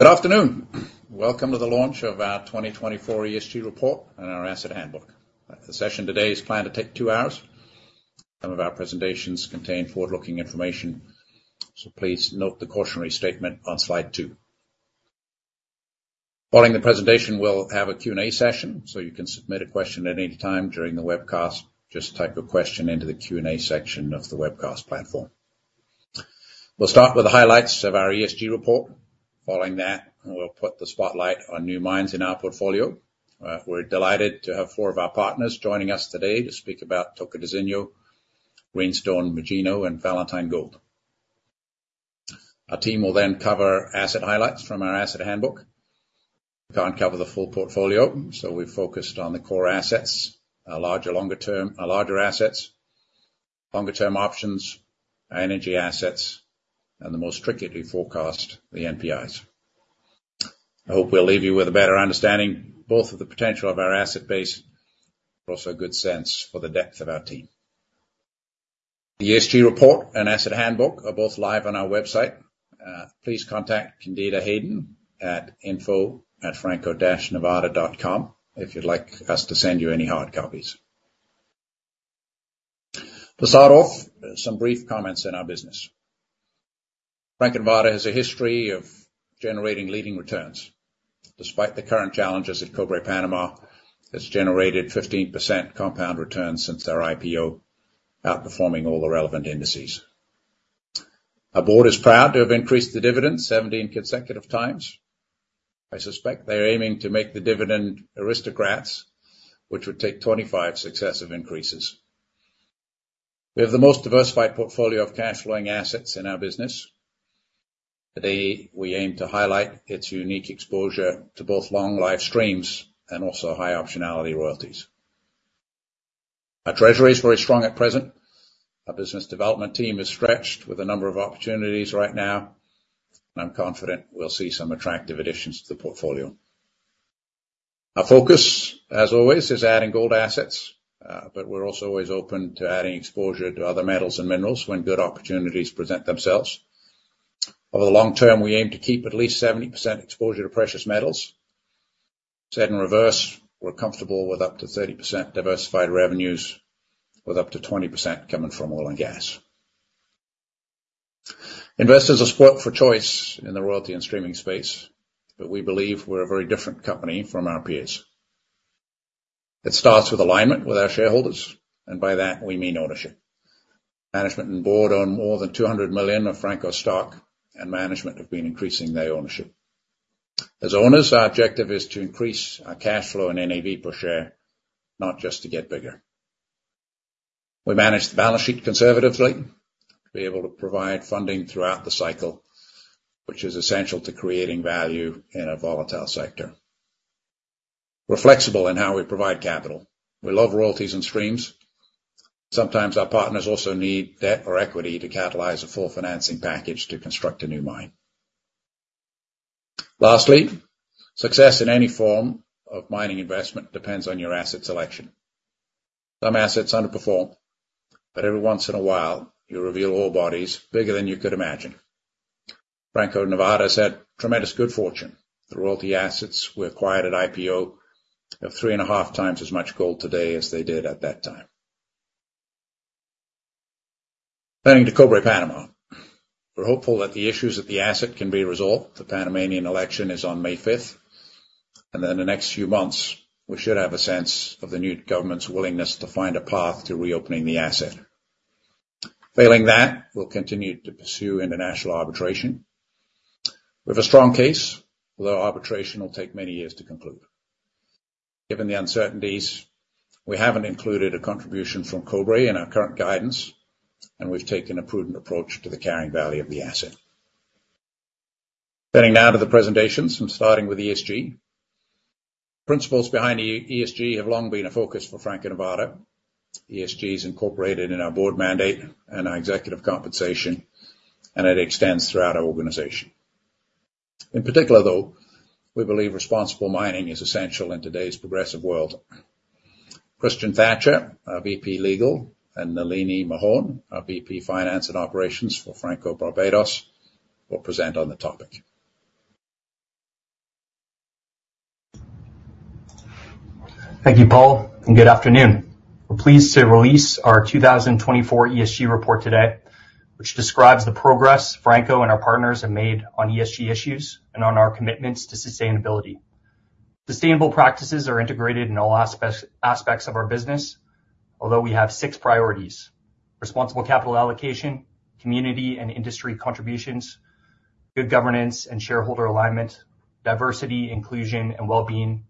Good afternoon. Welcome to the launch of our 2024 ESG report and our asset handbook. The session today is planned to take two hours. Some of our presentations contain forward-looking information, so please note the cautionary statement on slide two. Following the presentation, we'll have a Q&A session, so you can submit a question at any time during the webcast. Just type your question into the Q&A section of the webcast platform. We'll start with the highlights of our ESG report. Following that, we'll put the spotlight on new mines in our portfolio. We're delighted to have 4 of our partners joining us today to speak about Tocantinzinho, Greenstone, Magino, and Valentine Gold. Our team will then cover asset highlights from our asset handbook. We can't cover the full portfolio, so we've focused on the core assets, our larger, longer-term, our larger assets, longer-term options, our energy assets, and the most strictly forecast, the NPIs. I hope we'll leave you with a better understanding, both of the potential of our asset base, but also a good sense for the depth of our team. The ESG report and asset handbook are both live on our website. Please contact Candida Hayden at info@franco-nevada.com, if you'd like us to send you any hard copies. To start off, some brief comments in our business. Franco-Nevada has a history of generating leading returns. Despite the current challenges at Cobre Panama, it's generated 15% compound returns since our IPO, outperforming all the relevant indices. Our board is proud to have increased the dividend 17 consecutive times. I suspect they're aiming to make the Dividend Aristocrats, which would take 25 successive increases. We have the most diversified portfolio of cash flowing assets in our business. Today, we aim to highlight its unique exposure to both long life streams and also high optionality royalties. Our treasury is very strong at present. Our business development team is stretched with a number of opportunities right now, and I'm confident we'll see some attractive additions to the portfolio. Our focus, as always, is adding gold assets, but we're also always open to adding exposure to other metals and minerals when good opportunities present themselves. Over the long term, we aim to keep at least 70% exposure to precious metals. Said in reverse, we're comfortable with up to 30% diversified revenues, with up to 20% coming from oil and gas. Investors are spoiled for choice in the royalty and streaming space, but we believe we're a very different company from our peers. It starts with alignment with our shareholders, and by that, we mean ownership. Management and board own more than 200 million of Franco stock, and management have been increasing their ownership. As owners, our objective is to increase our cash flow and NAV per share, not just to get bigger. We manage the balance sheet conservatively to be able to provide funding throughout the cycle, which is essential to creating value in a volatile sector. We're flexible in how we provide capital. We love royalties and streams. Sometimes our partners also need debt or equity to catalyze a full financing package to construct a new mine. Lastly, success in any form of mining investment depends on your asset selection. Some assets underperform, but every once in a while, you reveal ore bodies bigger than you could imagine. Franco-Nevada has had tremendous good fortune. The royalty assets we acquired at IPO have three and a half times as much gold today as they did at that time. Turning to Cobre Panama, we're hopeful that the issues at the asset can be resolved. The Panamanian election is on May fifth, and in the next few months, we should have a sense of the new government's willingness to find a path to reopening the asset. Failing that, we'll continue to pursue international arbitration. We have a strong case, although arbitration will take many years to conclude. Given the uncertainties, we haven't included a contribution from Cobre in our current guidance, and we've taken a prudent approach to the carrying value of the asset. Turning now to the presentations, and starting with ESG. Principles behind ESG have long been a focus for Franco-Nevada. ESG is incorporated in our board mandate and our executive compensation, and it extends throughout our organization. In particular, though, we believe responsible mining is essential in today's progressive world. Christian Thatcher, our VP, Legal, and Nalinie Mahon, our VP, Finance & Operations for Franco-Nevada Barbados, will present on the topic. Thank you, Paul, and good afternoon. We're pleased to release our 2024 ESG report today, which describes the progress Franco and our partners have made on ESG issues and on our commitments to sustainability. Sustainable practices are integrated in all aspects of our business, although we have six priorities: responsible capital allocation, community and industry contributions, good governance and shareholder alignment, diversity, inclusion, and well-being,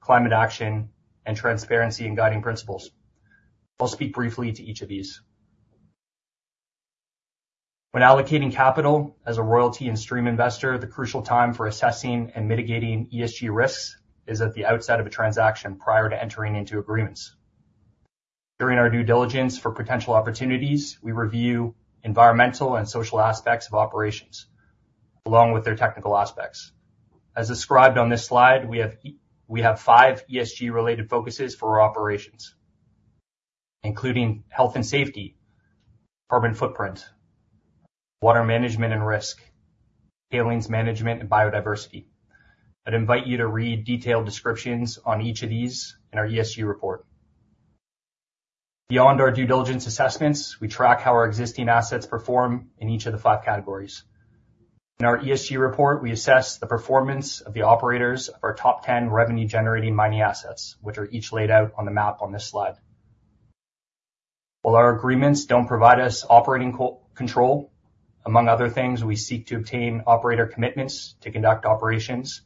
climate action, and transparency and guiding principles. I'll speak briefly to each of these. When allocating capital as a royalty and stream investor, the crucial time for assessing and mitigating ESG risks is at the outset of a transaction prior to entering into agreements. During our due diligence for potential opportunities, we review environmental and social aspects of operations, along with their technical aspects. As described on this slide, we have five ESG-related focuses for our operations.... including health and safety, carbon footprint, water management and risk, tailings management and biodiversity. I'd invite you to read detailed descriptions on each of these in our ESG report. Beyond our due diligence assessments, we track how our existing assets perform in each of the five categories. In our ESG report, we assess the performance of the operators of our top 10 revenue-generating mining assets, which are each laid out on the map on this slide. While our agreements don't provide us operating co-control, among other things, we seek to obtain operator commitments to conduct operations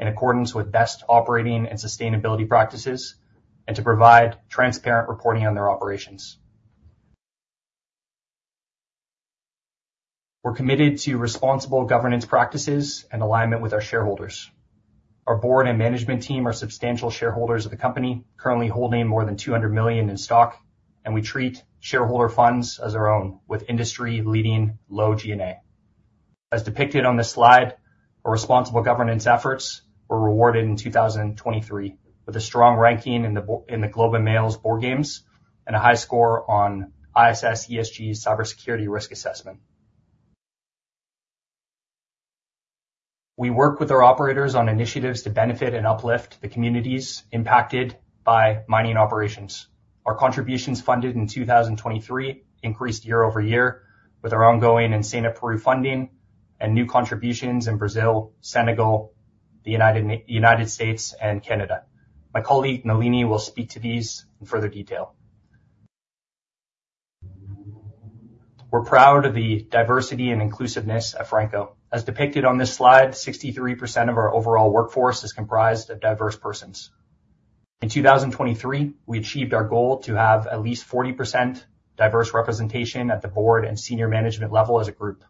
in accordance with best operating and sustainability practices, and to provide transparent reporting on their operations. We're committed to responsible governance practices and alignment with our shareholders. Our board and management team are substantial shareholders of the company, currently holding more than $200 million in stock, and we treat shareholder funds as our own, with industry-leading low G&A. As depicted on this slide, our responsible governance efforts were rewarded in 2023, with a strong ranking in the Globe and Mail's Board Games and a high score on ISS ESG cybersecurity risk assessment. We work with our operators on initiatives to benefit and uplift the communities impacted by mining operations. Our contributions funded in 2023 increased year over year, with our ongoing Enseña Peru funding and new contributions in Brazil, Senegal, the United States, and Canada. My colleague, Nalinie, will speak to these in further detail. We're proud of the diversity and inclusiveness at Franco-Nevada. As depicted on this slide, 63% of our overall workforce is comprised of diverse persons. In 2023, we achieved our goal to have at least 40% diverse representation at the board and senior management level as a group.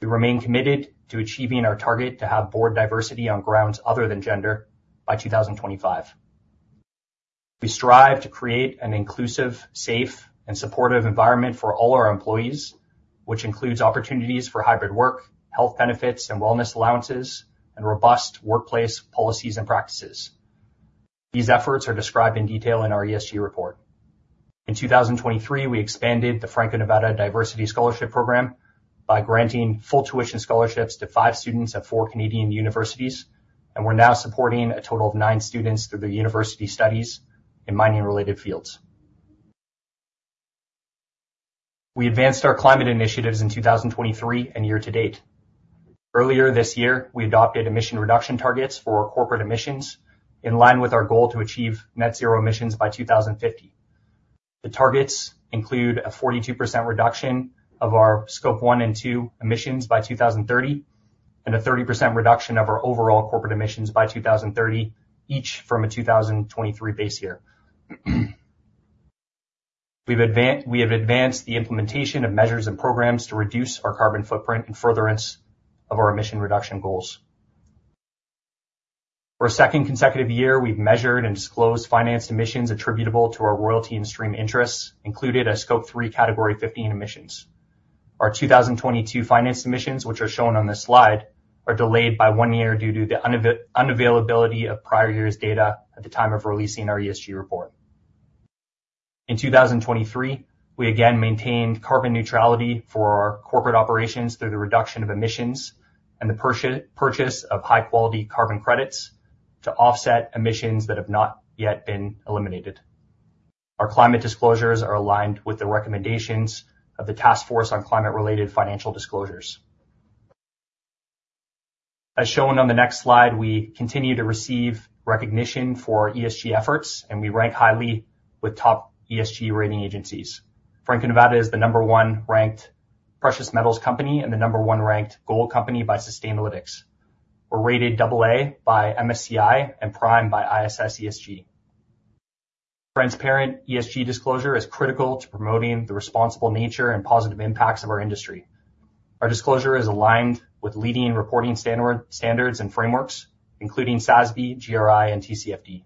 We remain committed to achieving our target to have board diversity on grounds other than gender by 2025. We strive to create an inclusive, safe, and supportive environment for all our employees, which includes opportunities for hybrid work, health benefits and wellness allowances, and robust workplace policies and practices. These efforts are described in detail in our ESG report. In 2023, we expanded the Franco-Nevada Diversity Scholarship Program by granting full tuition scholarships to five students at four Canadian universities, and we're now supporting a total of nine students through their university studies in mining-related fields. We advanced our climate initiatives in 2023 and year to date. Earlier this year, we adopted emission reduction targets for corporate emissions in line with our goal to achieve net zero emissions by 2050. The targets include a 42% reduction of our Scope 1 and 2 emissions by 2030, and a 30% reduction of our overall corporate emissions by 2030, each from a 2023 base year. We have advanced the implementation of measures and programs to reduce our carbon footprint in furtherance of our emission reduction goals. For a second consecutive year, we've measured and disclosed financed emissions attributable to our royalty and stream interests, included as Scope 3 Category 15 emissions. Our 2022 financed emissions, which are shown on this slide, are delayed by one year due to the unavailability of prior years' data at the time of releasing our ESG report. In 2023, we again maintained carbon neutrality for our corporate operations through the reduction of emissions and the purchase of high-quality carbon credits to offset emissions that have not yet been eliminated. Our climate disclosures are aligned with the recommendations of the Task Force on Climate-Related Financial Disclosures. As shown on the next slide, we continue to receive recognition for our ESG efforts, and we rank highly with top ESG rating agencies. Franco-Nevada is the number 1 ranked precious metals company and the number 1 ranked gold company by Sustainalytics. We're rated double A by MSCI and prime by ISS ESG. Transparent ESG disclosure is critical to promoting the responsible nature and positive impacts of our industry. Our disclosure is aligned with leading reporting standards and frameworks, including SASB, GRI, and TCFD.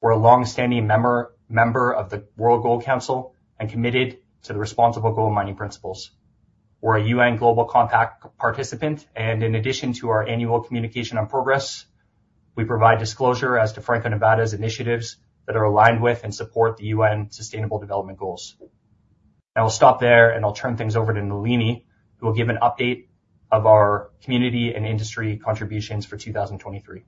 We're a longstanding member of the World Gold Council and committed to the responsible gold mining principles. We're a UN Global Compact participant, and in addition to our annual communication on progress, we provide disclosure as to Franco-Nevada's initiatives that are aligned with and support the UN Sustainable Development Goals. I will stop there, and I'll turn things over to Nalinie, who will give an update of our community and industry contributions for 2023.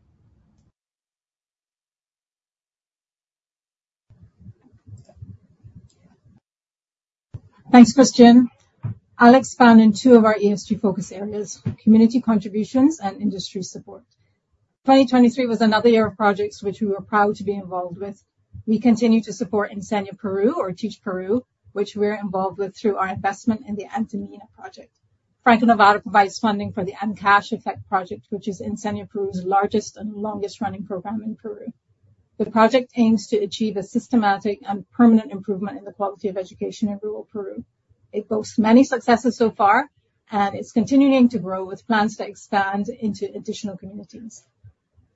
Thanks, Christian. I'll expand on two of our ESG focus areas: community contributions and industry support. 2023 was another year of projects which we were proud to be involved with. We continued to support Enseña Peru, or Teach Peru, which we're involved with through our investment in the Antamina project. Franco-Nevada provides funding for the Ancash Effect project, which is Enseña Peru's largest and longest-running program in Peru. The project aims to achieve a systematic and permanent improvement in the quality of education in rural Peru. It boasts many successes so far, and it's continuing to grow with plans to expand into additional communities.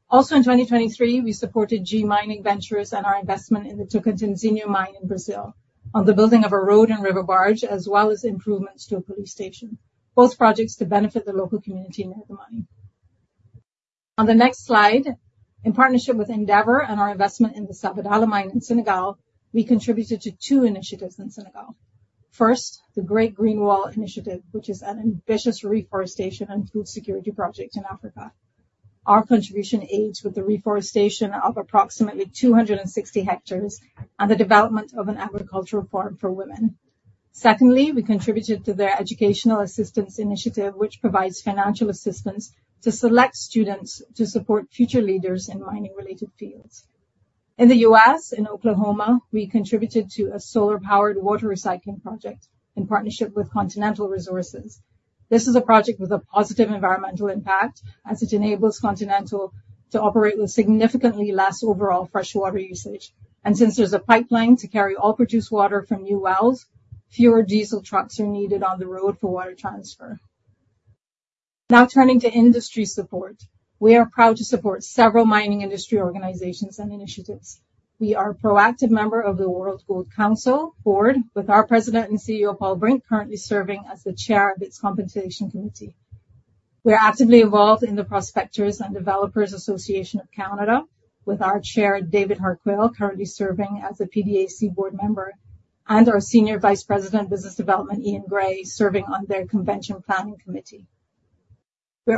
Also, in 2023, we supported G Mining Ventures and our investment in the Tocantinzinho mine in Brazil on the building of a road and river barge, as well as improvements to a police station, both projects to benefit the local community near the mining. On the next slide, in partnership with Endeavour and our investment in the Sabodala mine in Senegal, we contributed to two initiatives in Senegal. First, the Great Green Wall Initiative, which is an ambitious reforestation and food security project in Africa. Our contribution aids with the reforestation of approximately 260 hectares and the development of an agricultural farm for women. Secondly, we contributed to their educational assistance initiative, which provides financial assistance to select students to support future leaders in mining-related fields. In the US, in Oklahoma, we contributed to a solar-powered water recycling project in partnership with Continental Resources. This is a project with a positive environmental impact as it enables Continental to operate with significantly less overall freshwater usage. Since there's a pipeline to carry all produced water from new wells, fewer diesel trucks are needed on the road for water transfer. Now, turning to industry support. We are proud to support several mining industry organizations and initiatives. We are a proactive member of the World Gold Council Board, with our President and CEO, Paul Brink, currently serving as the chair of its Compensation Committee. We are actively involved in the Prospectors and Developers Association of Canada, with our Chair, David Harquail, currently serving as a PDAC board member, and our Senior Vice President, Business Development, Eaun Gray, serving on their convention planning committee. We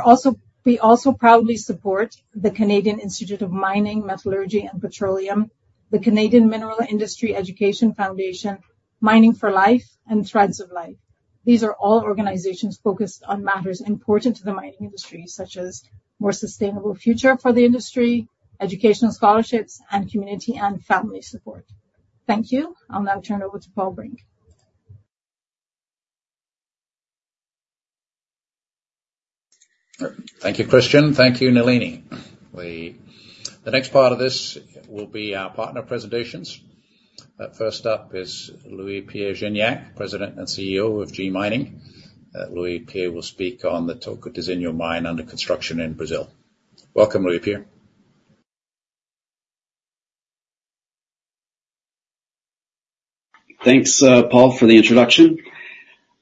also proudly support the Canadian Institute of Mining, Metallurgy, and Petroleum, the Canadian Mineral Industry Education Foundation, Mining for Life, and Threads of Life. These are all organizations focused on matters important to the mining industry, such as more sustainable future for the industry, educational scholarships, and community and family support. Thank you. I'll now turn over to Paul Brink. Thank you, Christian. Thank you, Nalinie. The next part of this will be our partner presentations. First up is Louis-Pierre Gignac, President and CEO of G Mining. Louis-Pierre will speak on the Tocantinzinho mine under construction in Brazil. Welcome, Louis-Pierre. Thanks, Paul, for the introduction.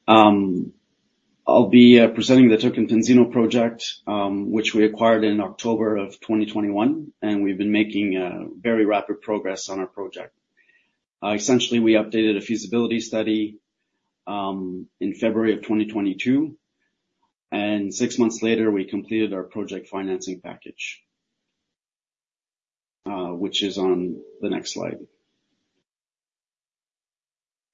I'll be presenting the Tocantinzinho project, which we acquired in October 2021, and we've been making very rapid progress on our project. Essentially, we updated a feasibility study in February 2022, and six months later, we completed our project financing package, which is on the next slide.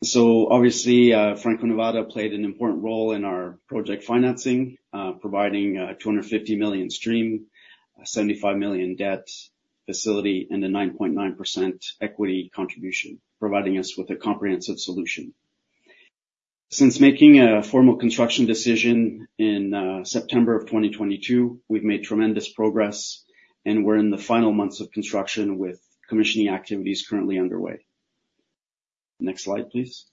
So obviously, Franco-Nevada played an important role in our project financing, providing a $250 million stream, a $75 million debt facility, and a 9.9% equity contribution, providing us with a comprehensive solution. Since making a formal construction decision in September 2022, we've made tremendous progress, and we're in the final months of construction, with commissioning activities currently underway. Next slide, please.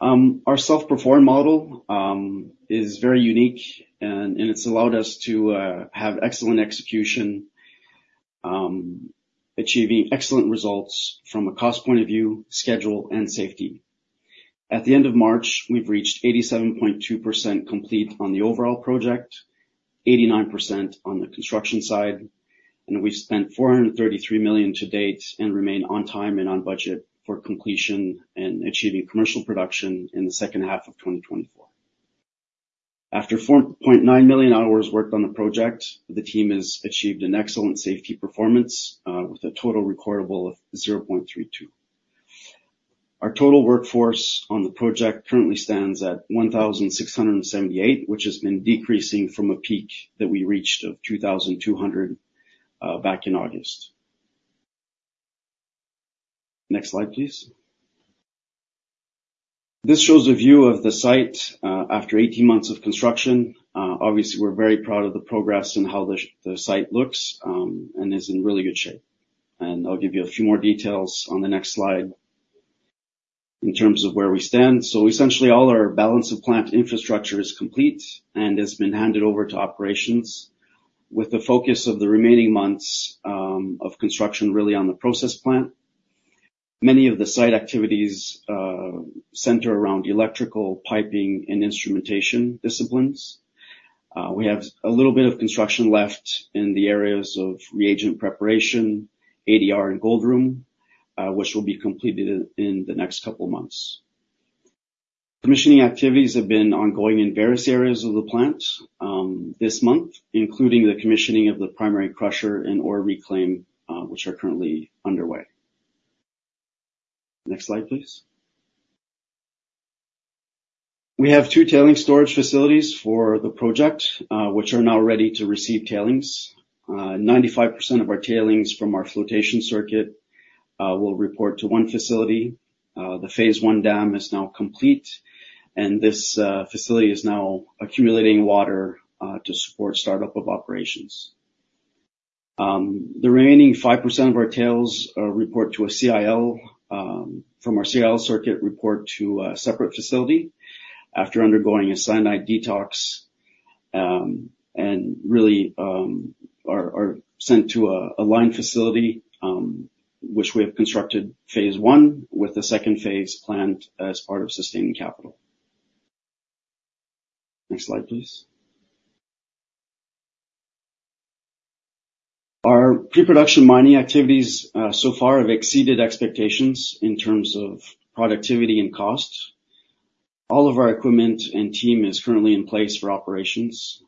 Our self-perform model is very unique, and it's allowed us to have excellent execution, achieving excellent results from a cost point of view, schedule, and safety. At the end of March, we've reached 87.2% complete on the overall project, 89% on the construction side, and we've spent $433 million to date and remain on time and on budget for completion and achieving commercial production in the second half of 2024. After 4.9 million hours worked on the project, the team has achieved an excellent safety performance, with a total recordable of 0.32. Our total workforce on the project currently stands at 1,678, which has been decreasing from a peak that we reached of 2,200, back in August. Next slide, please. This shows a view of the site after 18 months of construction. Obviously, we're very proud of the progress and how the site looks and is in really good shape. I'll give you a few more details on the next slide in terms of where we stand. Essentially, all our balance of plant infrastructure is complete and has been handed over to operations, with the focus of the remaining months of construction really on the process plant. Many of the site activities center around electrical, piping, and instrumentation disciplines. We have a little bit of construction left in the areas of reagent preparation, ADR, and gold room, which will be completed in the next couple of months. Commissioning activities have been ongoing in various areas of the plant this month, including the commissioning of the primary crusher and ore reclaim, which are currently underway. Next slide, please. We have two tailings storage facilities for the project, which are now ready to receive tailings. 95% of our tailings from our flotation circuit will report to one facility. The phase one dam is now complete, and this facility is now accumulating water to support startup of operations. The remaining 5% of our tails from our CIL circuit report to a separate facility after undergoing a cyanide detox, and really are sent to a lime facility, which we have constructed phase one, with the second phase planned as part of sustaining capital. Next slide, please. Our pre-production mining activities, so far have exceeded expectations in terms of productivity and cost. All of our equipment and team is currently in place for operations.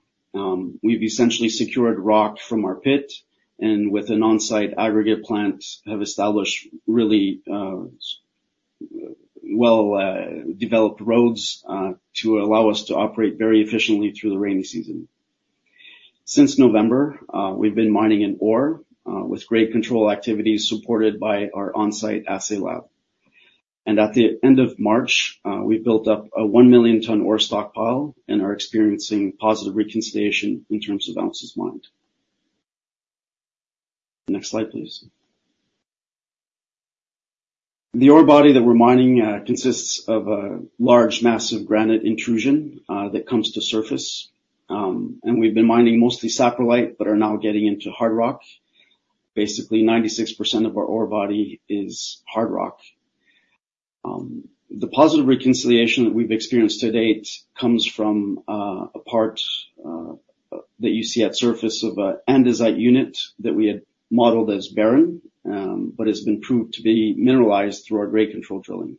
We've essentially secured rock from our pit, and with an on-site aggregate plant, have established really, well, developed roads, to allow us to operate very efficiently through the rainy season. Since November, we've been mining in ore, with great control activities supported by our on-site assay lab. And at the end of March, we built up a 1 million ton ore stockpile and are experiencing positive reconciliation in terms of ounces mined. Next slide, please. The ore body that we're mining, consists of a large, massive granite intrusion, that comes to surface. And we've been mining mostly saprolite, but are now getting into hard rock. Basically, 96% of our ore body is hard rock. The positive reconciliation that we've experienced to date comes from a part that you see at surface of a andesite unit that we had modeled as barren, but it's been proved to be mineralized through our grade control drilling.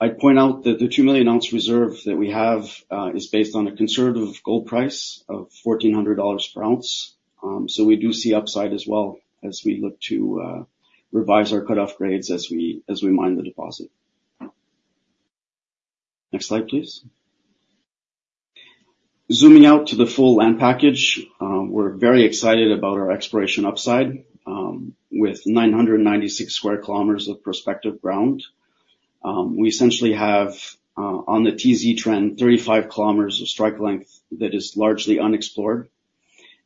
I point out that the 2 million ounce reserve that we have is based on a conservative gold price of $1,400 per ounce. So we do see upside as well as we look to revise our cutoff grades as we mine the deposit. Next slide, please. Zooming out to the full land package, we're very excited about our exploration upside. With 996 sq km of prospective ground, we essentially have, on the TZ Trend, 35 km of strike length that is largely unexplored,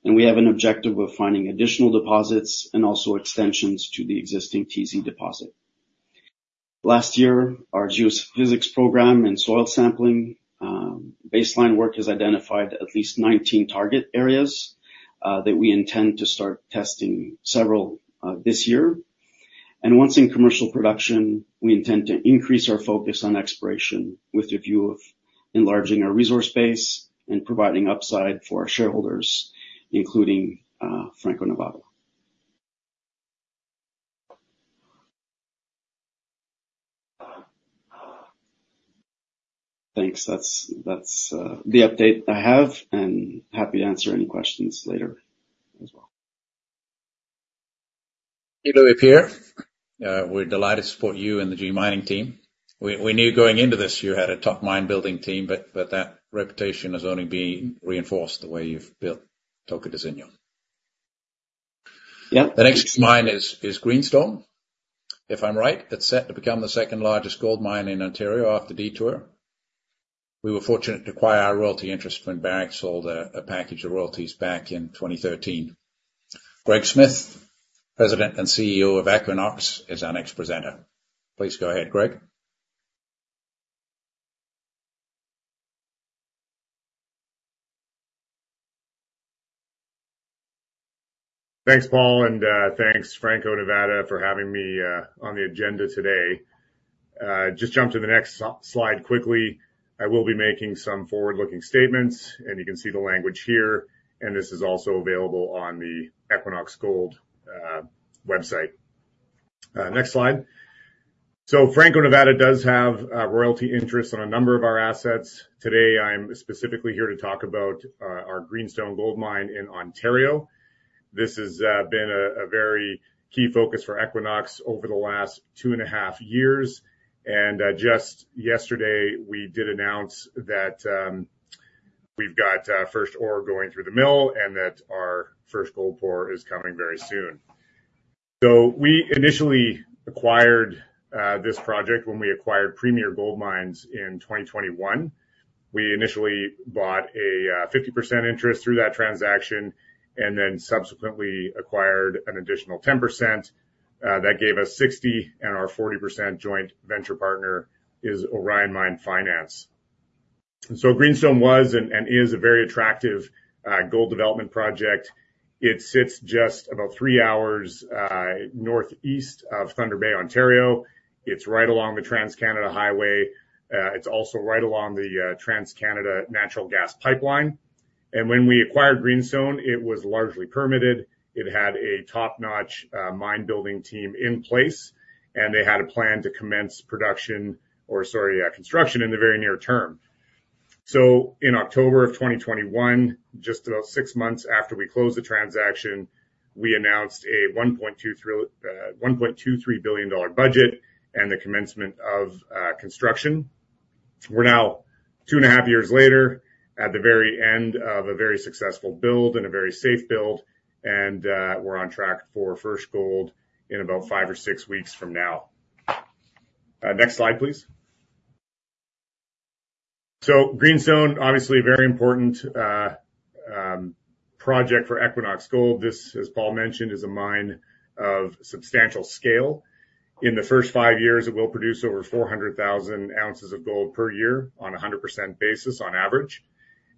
and we have an objective of finding additional deposits and also extensions to the existing TZ deposit. Last year, our geophysics program and soil sampling, baseline work has identified at least 19 target areas, that we intend to start testing several, this year. And once in commercial production, we intend to increase our focus on exploration, with the view of enlarging our resource base and providing upside for our shareholders, including, Franco-Nevada. Thanks. That's, that's, the update I have, and happy to answer any questions later as well. Thank you, Louis-Pierre. We're delighted to support you and the G Mining team. We knew going into this, you had a top mine-building team, but that reputation has only been reinforced the way you've built Tocantinzinho. Yeah. The next mine is Greenstone. If I'm right, it's set to become the second-largest gold mine in Ontario after Detour. We were fortunate to acquire our royalty interest when Barrick sold a package of royalties back in 2013. Greg Smith, President and CEO of Equinox, is our next presenter. Please go ahead, Greg. Thanks, Paul, and thanks, Franco-Nevada, for having me on the agenda today. Just jump to the next slide quickly. I will be making some forward-looking statements, and you can see the language here, and this is also available on the Equinox Gold website. Next slide. So Franco-Nevada does have a royalty interest on a number of our assets. Today, I'm specifically here to talk about our Greenstone gold mine in Ontario. This has been a very key focus for Equinox over the last two and a half years, and just yesterday, we did announce that we've got first ore going through the mill and that our first gold pour is coming very soon. So we initially acquired this project when we acquired Premier Gold Mines in 2021. We initially bought a 50% interest through that transaction, and then subsequently acquired an additional 10%. That gave us 60, and our 40% joint venture partner is Orion Mine Finance. So Greenstone was and is a very attractive gold development project. It sits just about three hours northeast of Thunder Bay, Ontario. It's right along the Trans-Canada Highway. It's also right along the Trans-Canada Natural Gas Pipeline. And when we acquired Greenstone, it was largely permitted. It had a top-notch mine-building team in place, and they had a plan to commence production or, sorry, construction in the very near term. So in October of 2021, just about 6 months after we closed the transaction, we announced a $1.23 billion budget and the commencement of construction. We're now two and a half years later, at the very end of a very successful build and a very safe build, and we're on track for first gold in about five or six weeks from now. Next slide, please. So Greenstone, obviously a very important project for Equinox Gold. This, as Paul mentioned, is a mine of substantial scale. In the first five years, it will produce over 400,000 ounces of gold per year on a 100% basis on average,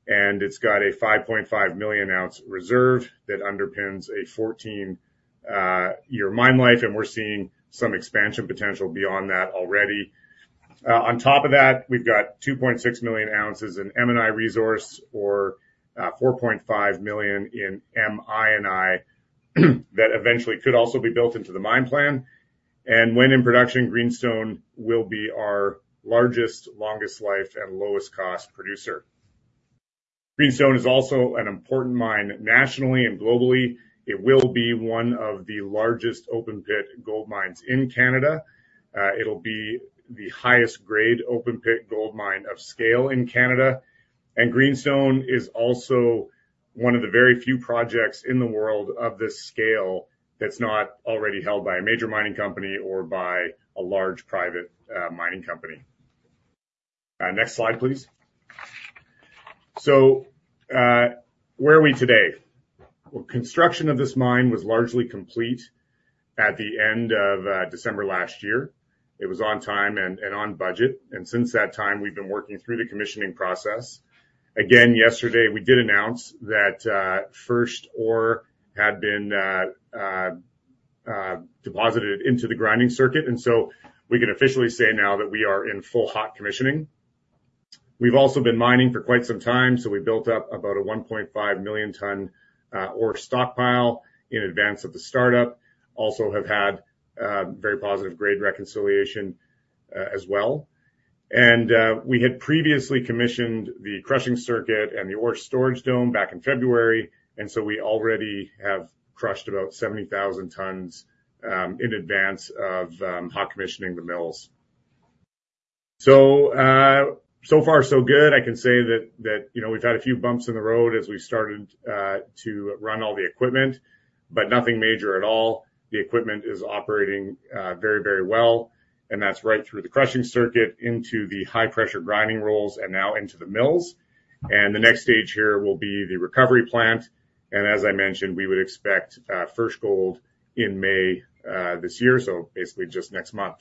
and it's got a 5.5 million ounce reserve that underpins a 14-year mine life, and we're seeing some expansion potential beyond that already. On top of that, we've got 2.6 million ounces in M&I resource or 4.5 million in MI&I, that eventually could also be built into the mine plan. When in production, Greenstone will be our largest, longest life, and lowest cost producer. Greenstone is also an important mine nationally and globally. It will be one of the largest open-pit gold mines in Canada. It'll be the highest grade open-pit gold mine of scale in Canada, and Greenstone is also one of the very few projects in the world of this scale that's not already held by a major mining company or by a large private mining company. Next slide, please. Where are we today? Well, construction of this mine was largely complete at the end of December last year. It was on time and on budget, and since that time, we've been working through the commissioning process. Again, yesterday, we did announce that first ore had been deposited into the grinding circuit, and so we can officially say now that we are in full hot commissioning. We've also been mining for quite some time, so we built up about a 1.5 million ton ore stockpile in advance of the startup. Also have had very positive grade reconciliation as well. We had previously commissioned the crushing circuit and the ore storage dome back in February, and so we already have crushed about 70,000 tons in advance of hot commissioning the mills. So far, so good. I can say that you know, we've had a few bumps in the road as we started to run all the equipment, but nothing major at all. The equipment is operating, very, very well, and that's right through the crushing circuit into the high-pressure grinding rolls and now into the mills. The next stage here will be the recovery plant, and as I mentioned, we would expect, first gold in May, this year, so basically just next month.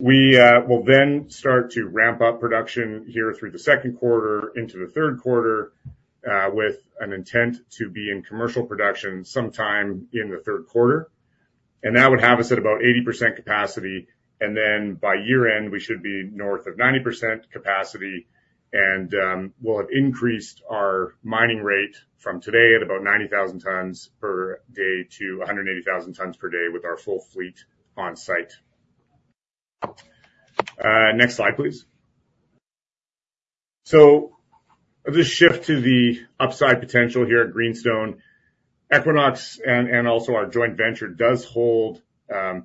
We will then start to ramp up production here through the second quarter into the third quarter, with an intent to be in commercial production sometime in the third quarter. That would have us at about 80% capacity, and then by year-end, we should be north of 90% capacity and, we'll have increased our mining rate from today at about 90,000 tons per day to 180,000 tons per day with our full fleet on site. Next slide, please. So this shift to the upside potential here at Greenstone, Equinox and also our joint venture does hold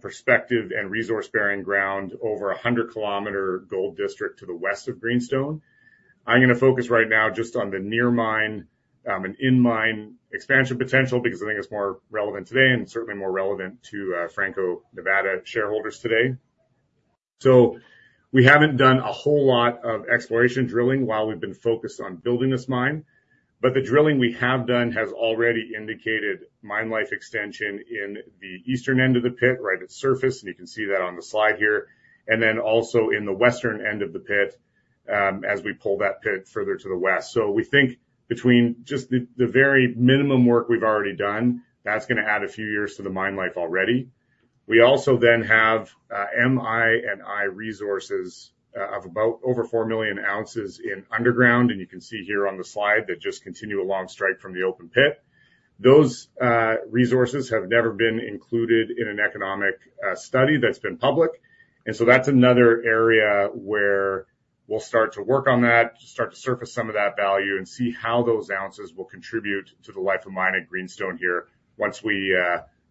perspective and resource-bearing ground over a 100-kilometer gold district to the west of Greenstone. I'm gonna focus right now just on the near mine and in mine expansion potential, because I think it's more relevant today and certainly more relevant to Franco-Nevada shareholders today. So we haven't done a whole lot of exploration drilling while we've been focused on building this mine, but the drilling we have done has already indicated mine life extension in the eastern end of the pit, right at surface, and you can see that on the slide here, and then also in the western end of the pit as we pull that pit further to the west. So we think between just the, the very minimum work we've already done, that's gonna add a few years to the mine life already. We also then have M&I resources of about over 4 million ounces in underground, and you can see here on the slide that just continue along strike from the open pit. Those resources have never been included in an economic study that's been public. And so that's another area where we'll start to work on that, start to surface some of that value, and see how those ounces will contribute to the life of mine at Greenstone here once we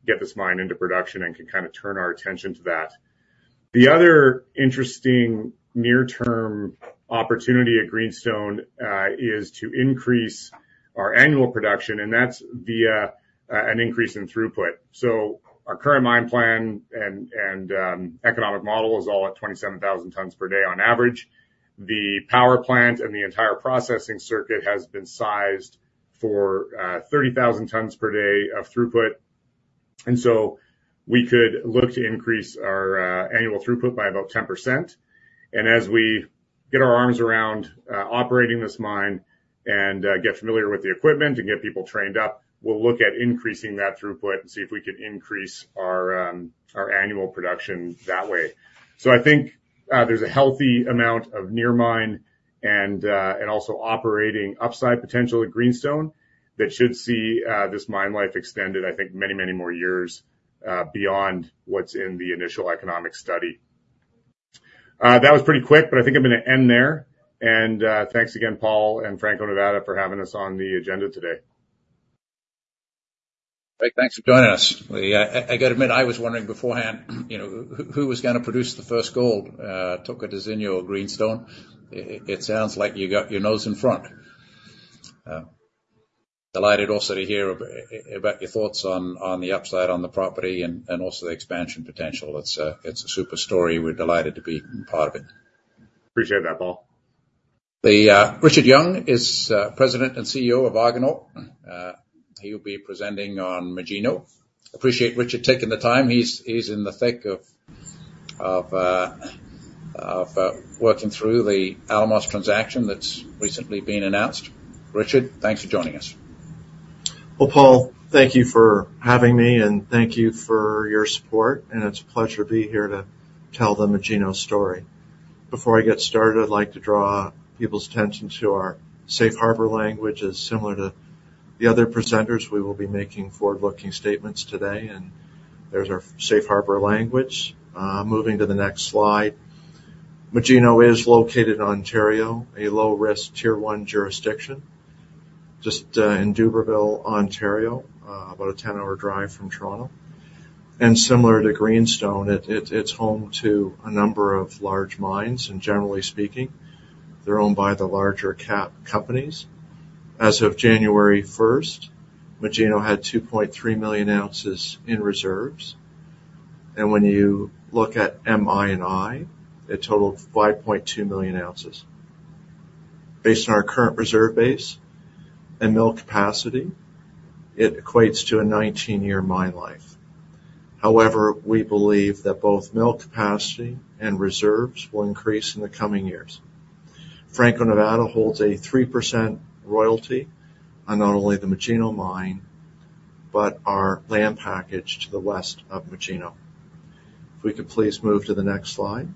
get this mine into production and can kinda turn our attention to that. The other interesting near-term opportunity at Greenstone is to increase our annual production, and that's via an increase in throughput. So our current mine plan and economic model is all at 27,000 tons per day on average. The power plant and the entire processing circuit has been sized for 30,000 tons per day of throughput, and so we could look to increase our annual throughput by about 10%. And as we get our arms around operating this mine and get familiar with the equipment and get people trained up, we'll look at increasing that throughput and see if we can increase our annual production that way. So I think there's a healthy amount of near mine and also operating upside potential at Greenstone that should see this mine life extended, I think, many, many more years beyond what's in the initial economic study. That was pretty quick, but I think I'm gonna end there. Thanks again, Paul and Franco-Nevada, for having us on the agenda today. Great. Thanks for joining us. Yeah, I gotta admit, I was wondering beforehand, you know, who was gonna produce the first gold, Tocantinzinho or Greenstone? It sounds like you got your nose in front. Delighted also to hear about your thoughts on the upside on the property and also the expansion potential. It's a super story. We're delighted to be part of it. Appreciate that, Paul. The Richard Young is President and CEO of Argonaut. He'll be presenting on Magino. Appreciate Richard taking the time. He's in the thick of working through the Alamos transaction that's recently been announced. Richard, thanks for joining us. ... Well, Paul, thank you for having me, and thank you for your support, and it's a pleasure to be here to tell the Magino story. Before I get started, I'd like to draw people's attention to our safe harbor language. As similar to the other presenters, we will be making forward-looking statements today, and there's our safe harbor language. Moving to the next slide. Magino is located in Ontario, a low-risk Tier One jurisdiction, just in Dubreuilville, Ontario, about a 10-hour drive from Toronto. And similar to Greenstone, it's home to a number of large mines, and generally speaking, they're owned by the larger cap companies. As of January first, Magino had 2.3 million ounces in reserves, and when you look at M&I, it totaled 5.2 million ounces. Based on our current reserve base and mill capacity, it equates to a 19-year mine life. However, we believe that both mill capacity and reserves will increase in the coming years. Franco-Nevada holds a 3% royalty on not only the Magino mine, but our land package to the west of Magino. If we could please move to the next slide.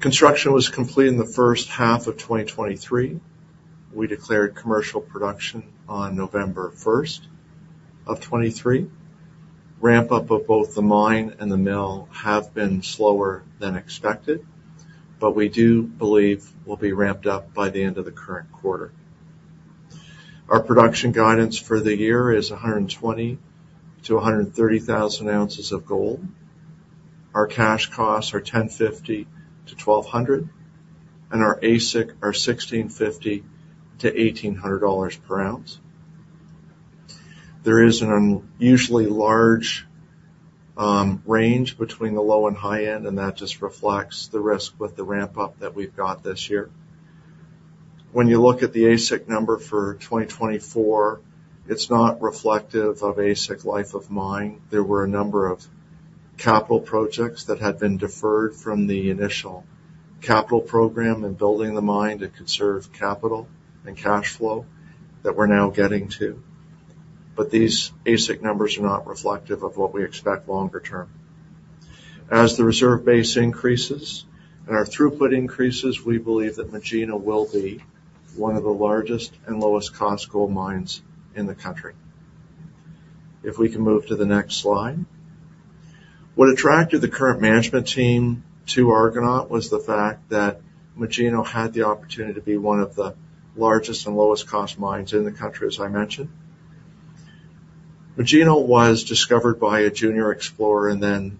Construction was completed in the first half of 2023. We declared commercial production on November 1, 2023. Ramp-up of both the mine and the mill have been slower than expected, but we do believe we'll be ramped up by the end of the current quarter. Our production guidance for the year is 120,000-130,000 ounces of gold. Our cash costs are $1,050-$1,200, and our AISC are $1,650-$1,800 per ounce. There is an unusually large range between the low and high end, and that just reflects the risk with the ramp-up that we've got this year. When you look at the AISC number for 2024, it's not reflective of AISC life of mine. There were a number of capital projects that had been deferred from the initial capital program and building the mine to conserve capital and cash flow that we're now getting to. But these AISC numbers are not reflective of what we expect longer term. As the reserve base increases and our throughput increases, we believe that Magino will be one of the largest and lowest-cost gold mines in the country. If we can move to the next slide. What attracted the current management team to Argonaut was the fact that Magino had the opportunity to be one of the largest and lowest-cost mines in the country, as I mentioned. Magino was discovered by a junior explorer, and then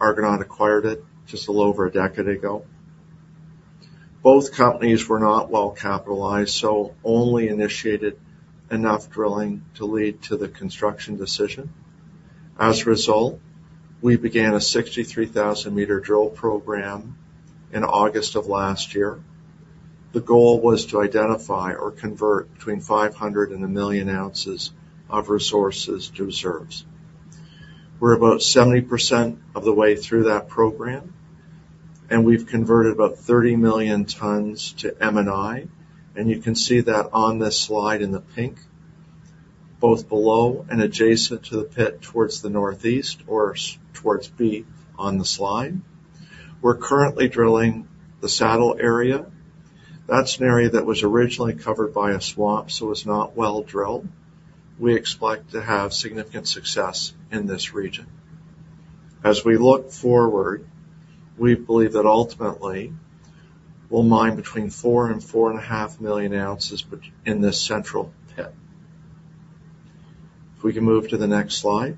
Argonaut acquired it just a little over a decade ago. Both companies were not well-capitalized, so only initiated enough drilling to lead to the construction decision. As a result, we began a 63,000-meter drill program in August of last year. The goal was to identify or convert between 500 and 1 million ounces of resources to reserves. We're about 70% of the way through that program, and we've converted about 30 million tons to M&I, and you can see that on this slide in the pink, both below and adjacent to the pit, towards the northeast or towards B on the slide. We're currently drilling the saddle area. That's an area that was originally covered by a swamp, so it's not well-drilled. We expect to have significant success in this region. As we look forward, we believe that ultimately, we'll mine between 4 and 4.5 million ounces in this central pit. If we can move to the next slide.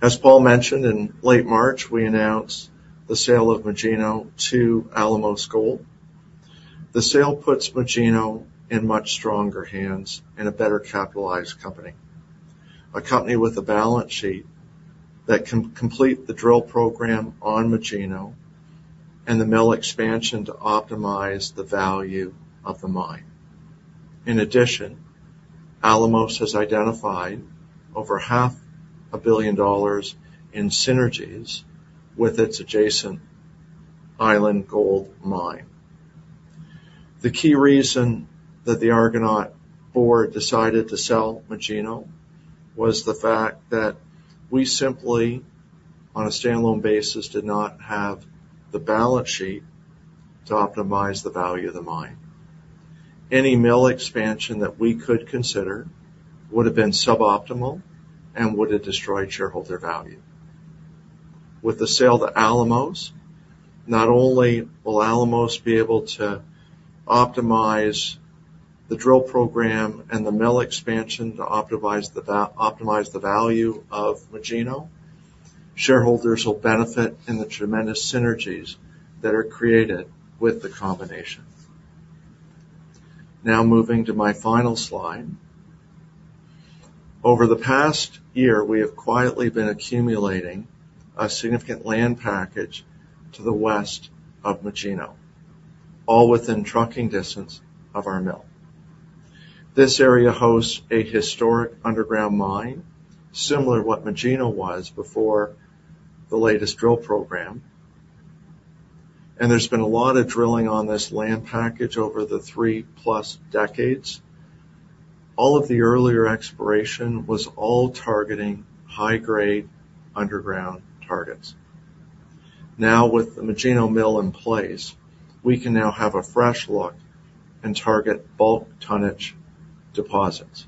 As Paul mentioned, in late March, we announced the sale of Magino to Alamos Gold. The sale puts Magino in much stronger hands and a better capitalized company, a company with a balance sheet that can complete the drill program on Magino and the mill expansion to optimize the value of the mine. In addition, Alamos has identified over $500 million in synergies with its adjacent Island Gold Mine. The key reason that the Argonaut board decided to sell Magino was the fact that we simply, on a standalone basis, did not have the balance sheet to optimize the value of the mine. Any mill expansion that we could consider would have been suboptimal and would have destroyed shareholder value. With the sale to Alamos, not only will Alamos be able to optimize the drill program and the mill expansion to optimize the value of Magino, shareholders will benefit in the tremendous synergies that are created with the combination. Now, moving to my final slide. Over the past year, we have quietly been accumulating a significant land package to the west of Magino, all within trucking distance of our mill. This area hosts a historic underground mine, similar to what Magino was before the latest drill program. There's been a lot of drilling on this land package over the 3+ decades. All of the earlier exploration was all targeting high-grade underground targets. Now, with the Magino Mill in place, we can now have a fresh look and target bulk tonnage deposits.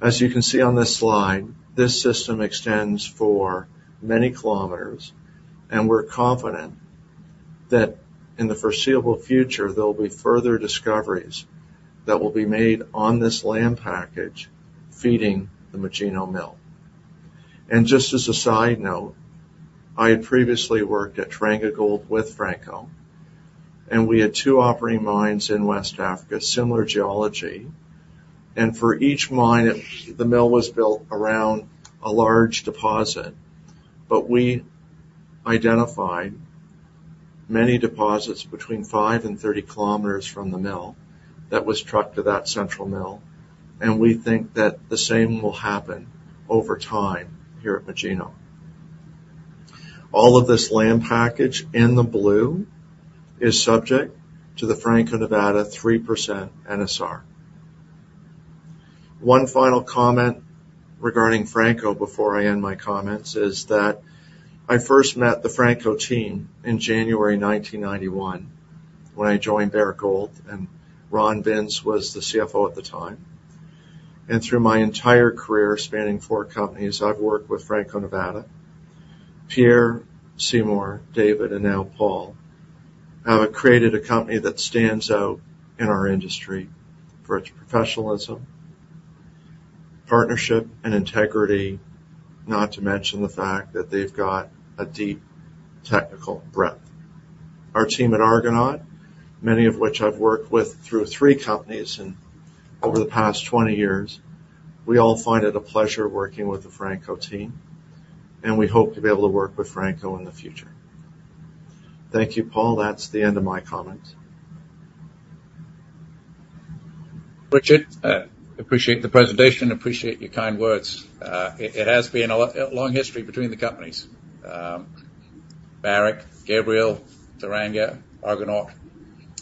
As you can see on this slide, this system extends for many kilometers, and we're confident that in the foreseeable future, there will be further discoveries that will be made on this land package feeding the Magino Mill. Just as a side note, I had previously worked at Teranga Gold with Franco-Nevada, and we had two operating mines in West Africa, similar geology. For each mine, the mill was built around a large deposit, but we identified many deposits between 5 km and 30 km from the mill that was trucked to that central mill, and we think that the same will happen over time here at Magino. All of this land package in the blue is subject to the Franco-Nevada 3% NSR. One final comment regarding Franco, before I end my comments, is that I first met the Franco team in January 1991, when I joined Barrick Gold, and Ron Vince was the CFO at the time. Through my entire career, spanning four companies, I've worked with Franco-Nevada. Pierre, Seymour, David, and now Paul, have created a company that stands out in our industry for its professionalism, partnership, and integrity, not to mention the fact that they've got a deep technical breadth. Our team at Argonaut, many of which I've worked with through 3 companies over the past 20 years, we all find it a pleasure working with the Franco team, and we hope to be able to work with Franco in the future. Thank you, Paul. That's the end of my comments. Richard, appreciate the presentation, appreciate your kind words. It has been a long history between the companies. Barrick, Gabriel, Teranga, Argonaut.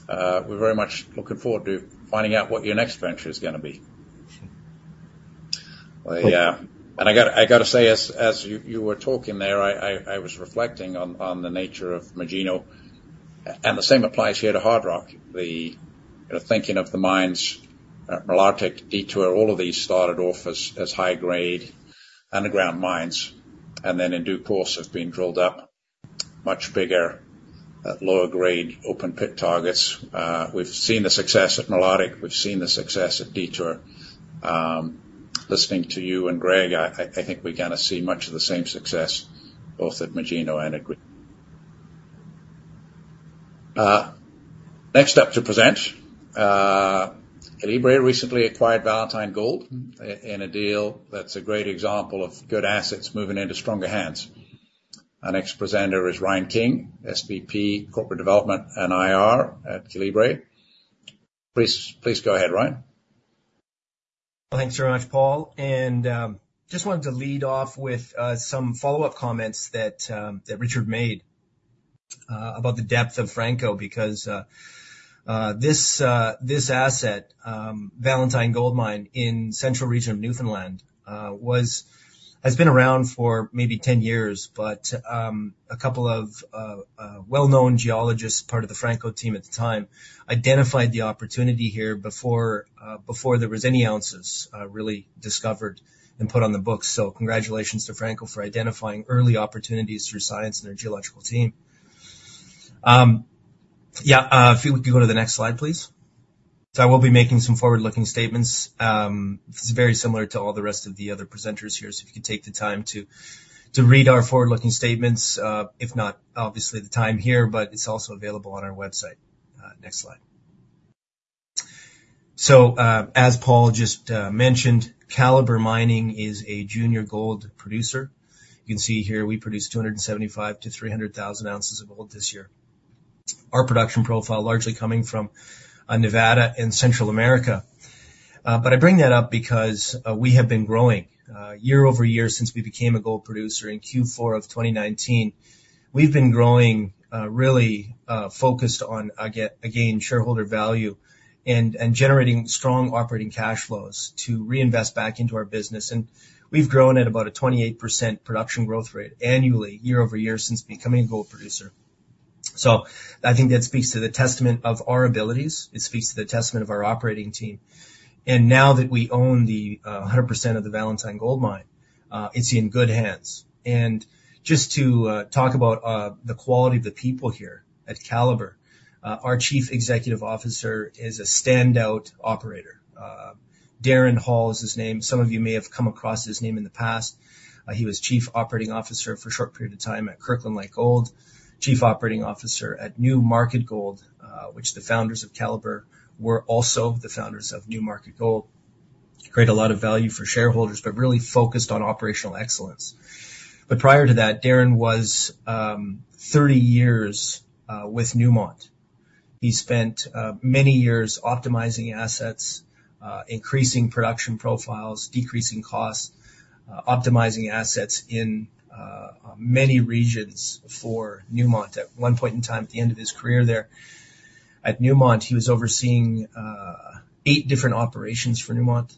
We're very much looking forward to finding out what your next venture is gonna be. Sure. Well, yeah, and I got- I gotta say, as you were talking there, I was reflecting on the nature of Magino, and the same applies here to Hardrock. You know, thinking of the mines, Malartic, Detour, all of these started off as high-grade underground mines, and then, in due course, have been drilled up much bigger at lower grade, open pit targets. We've seen the success at Malartic, we've seen the success at Detour. Listening to you and Greg, I think we're gonna see much of the same success both at Magino and at Greenstone. Next up to present, Calibre recently acquired Valentine Gold in a deal that's a great example of good assets moving into stronger hands. Our next presenter is Ryan King, SVP, Corporate Development and IR at Calibre. Please, please go ahead, Ryan. Thanks very much, Paul, and just wanted to lead off with some follow-up comments that Richard made about the depth of Franco, because this asset, Valentine Gold Mine in central region of Newfoundland, has been around for maybe 10 years. But a couple of well-known geologists, part of the Franco team at the time, identified the opportunity here before there was any ounces really discovered and put on the books. So congratulations to Franco for identifying early opportunities through science and their geological team. Yeah, if you would go to the next slide, please. So I will be making some forward-looking statements. This is very similar to all the rest of the other presenters here. So if you could take the time to read our forward-looking statements, if not, obviously, the time here, but it's also available on our website. Next slide. So, as Paul just mentioned, Calibre Mining is a junior gold producer. You can see here we produced 275-300 thousand ounces of gold this year. Our production profile largely coming from Nevada and Central America. But I bring that up because, we have been growing year over year since we became a gold producer in Q4 of 2019. We've been growing, really, focused on again, shareholder value and generating strong operating cash flows to reinvest back into our business. And we've grown at about a 28% production growth rate annually, year over year, since becoming a gold producer. So I think that speaks to the testament of our abilities. It speaks to the testament of our operating team. Now that we own the 100% of the Valentine Gold Mine, it's in good hands. Just to talk about the quality of the people here at Calibre, our Chief Executive Officer is a standout operator. Darren Hall is his name. Some of you may have come across his name in the past. He was Chief Operating Officer for a short period of time at Kirkland Lake Gold, Chief Operating Officer at Newmarket Gold, which the founders of Calibre were also the founders of Newmarket Gold. Created a lot of value for shareholders, but really focused on operational excellence. But prior to that, Darren was 30 years with Newmont.... He spent many years optimizing assets, increasing production profiles, decreasing costs, optimizing assets in many regions for Newmont. At one point in time, at the end of his career there, at Newmont, he was overseeing eight different operations for Newmont.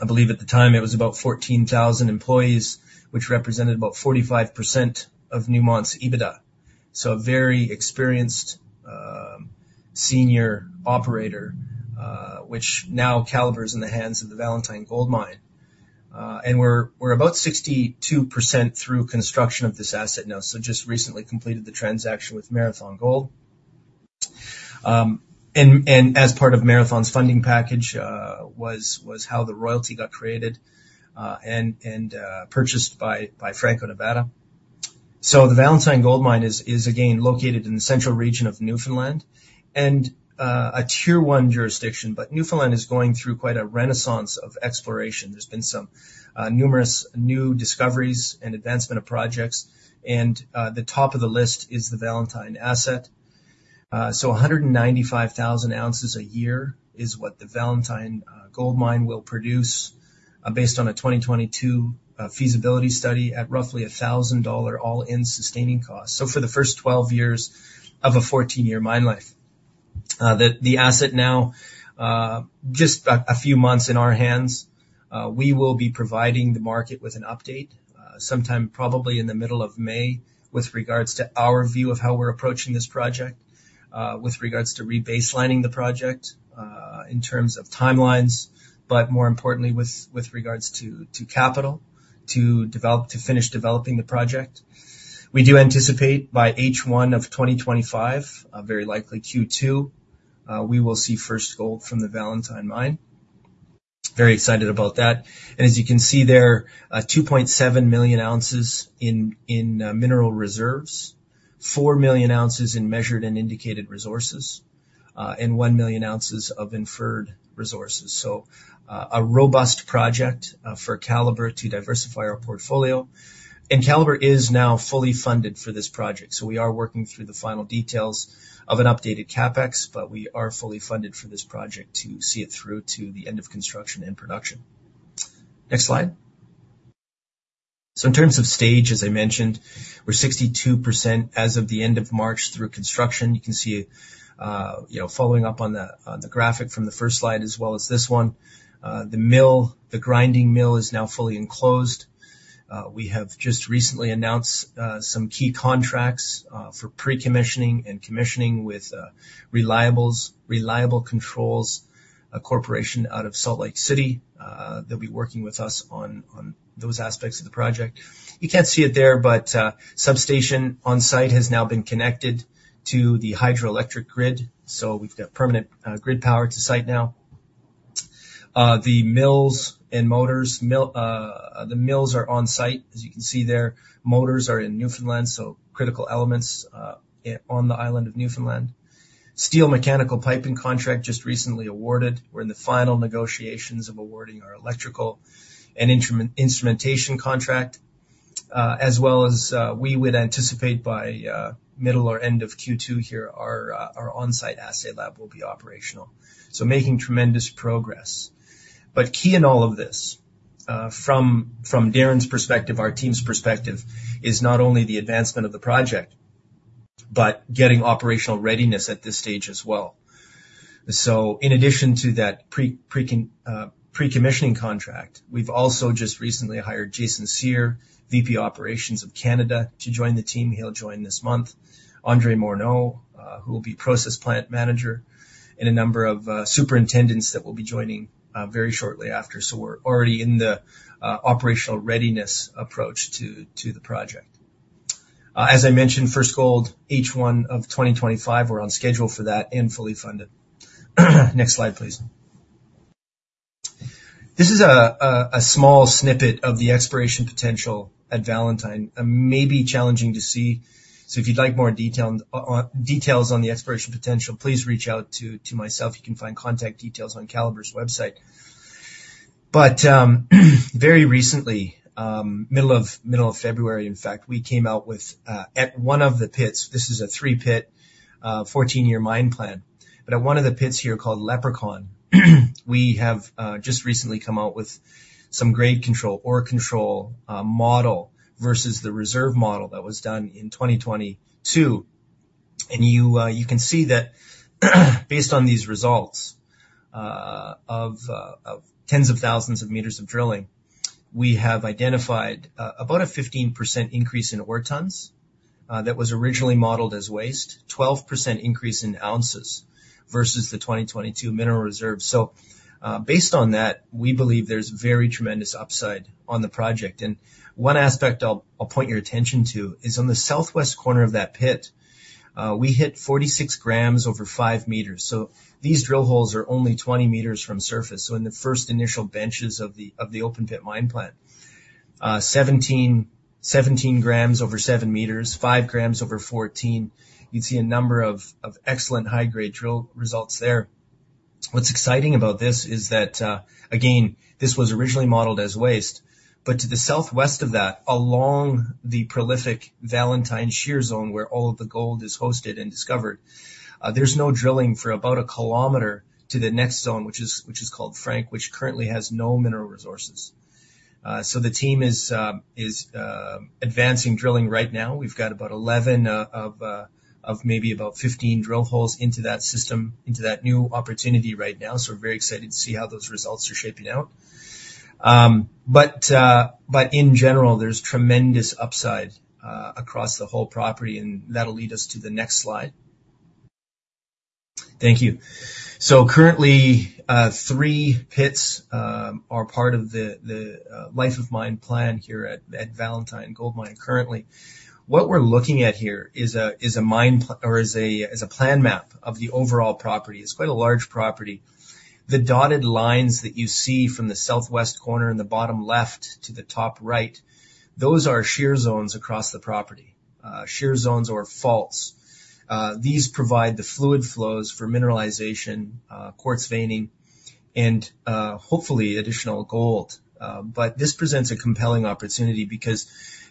I believe at the time it was about 14,000 employees, which represented about 45% of Newmont's EBITDA. So a very experienced senior operator, which now Calibre is in the hands of the Valentine Gold Mine. And we're about 62% through construction of this asset now, so just recently completed the transaction with Marathon Gold. And as part of Marathon's funding package, was how the royalty got created, and purchased by Franco-Nevada. So the Valentine Gold Mine is again located in the central region of Newfoundland and a Tier One jurisdiction. But Newfoundland is going through quite a renaissance of exploration. There's been some numerous new discoveries and advancement of projects, and the top of the list is the Valentine asset. So 195,000 ounces a year is what the Valentine Gold Mine will produce based on a 2022 feasibility study at roughly $1,000 all-in sustaining costs. So for the first 12 years of a 14-year mine life. The asset now, just a few months in our hands, we will be providing the market with an update, sometime probably in the middle of May, with regards to our view of how we're approaching this project, with regards to rebaselining the project, in terms of timelines, but more importantly, with regards to capital to develop to finish developing the project. We do anticipate by H1 of 2025, very likely Q2, we will see first gold from the Valentine mine. Very excited about that. And as you can see there, 2.7 million ounces in mineral reserves, 4 million ounces in measured and indicated resources, and 1 million ounces of inferred resources. So, a robust project for Calibre to diversify our portfolio, and Calibre is now fully funded for this project. So we are working through the final details of an updated CapEx, but we are fully funded for this project to see it through to the end of construction and production. Next slide. So in terms of stage, as I mentioned, we're 62% as of the end of March through construction. You can see, you know, following up on the graphic from the first slide, as well as this one, the mill, the grinding mill is now fully enclosed. We have just recently announced some key contracts for pre-commissioning and commissioning with Reliables, Reliable Controls, a corporation out of Salt Lake City. They'll be working with us on those aspects of the project. You can't see it there, but substation on-site has now been connected to the hydroelectric grid, so we've got permanent grid power to site now. The mills and motors. The mills are on-site, as you can see there. Motors are in Newfoundland, so critical elements on the island of Newfoundland. Steel mechanical piping contract just recently awarded. We're in the final negotiations of awarding our electrical and instrument, instrumentation contract, as well as we would anticipate by middle or end of Q2 here, our on-site assay lab will be operational. So making tremendous progress. But key in all of this, from Darren's perspective, our team's perspective, is not only the advancement of the project, but getting operational readiness at this stage as well. So in addition to that pre- precon... Pre-commissioning contract, we've also just recently hired Jason Cyr, VP Operations of Canada, to join the team. He'll join this month. Andre Morneau, who will be process plant manager, and a number of superintendents that will be joining very shortly after. So we're already in the operational readiness approach to the project. As I mentioned, first gold, H1 of 2025, we're on schedule for that and fully funded. Next slide, please. This is a small snippet of the exploration potential at Valentine. It may be challenging to see, so if you'd like more detail on details on the exploration potential, please reach out to myself. You can find contact details on Calibre's website. But very recently, middle of February, in fact, we came out with at one of the pits... This is a 3-pit, 14-year mine plan, but at one of the pits here called Leprechaun, we have just recently come out with some grade control, ore control model versus the reserve model that was done in 2022. And you can see that, based on these results of tens of thousands of meters of drilling, we have identified about a 15% increase in ore tons that was originally modeled as waste, 12% increase in ounces versus the 2022 mineral reserve. So, based on that, we believe there's very tremendous upside on the project. And one aspect I'll point your attention to is on the southwest corner of that pit, we hit 46 grams over 5 meters. So these drill holes are only 20 meters from surface. So in the first initial benches of the open pit mine plant, 17, 17 grams over 7 meters, 5 grams over 14. You'd see a number of excellent high-grade drill results there... What's exciting about this is that, again, this was originally modeled as waste, but to the southwest of that, along the prolific Valentine Shear Zone, where all of the gold is hosted and discovered, there's no drilling for about a kilometer to the next zone, which is called Frank, which currently has no mineral resources. So the team is advancing drilling right now. We've got about 11 of maybe about 15 drill holes into that system, into that new opportunity right now. So we're very excited to see how those results are shaping out. But in general, there's tremendous upside across the whole property, and that'll lead us to the next slide. Thank you. Currently, three pits are part of the life of mine plan here at Valentine Gold Mine. Currently, what we're looking at here is a plan map of the overall property. It's quite a large property. The dotted lines that you see from the southwest corner in the bottom left to the top right, those are shear zones across the property. Shear zones or faults. These provide the fluid flows for mineralization, quartz veining, and hopefully, additional gold. But this presents a compelling opportunity because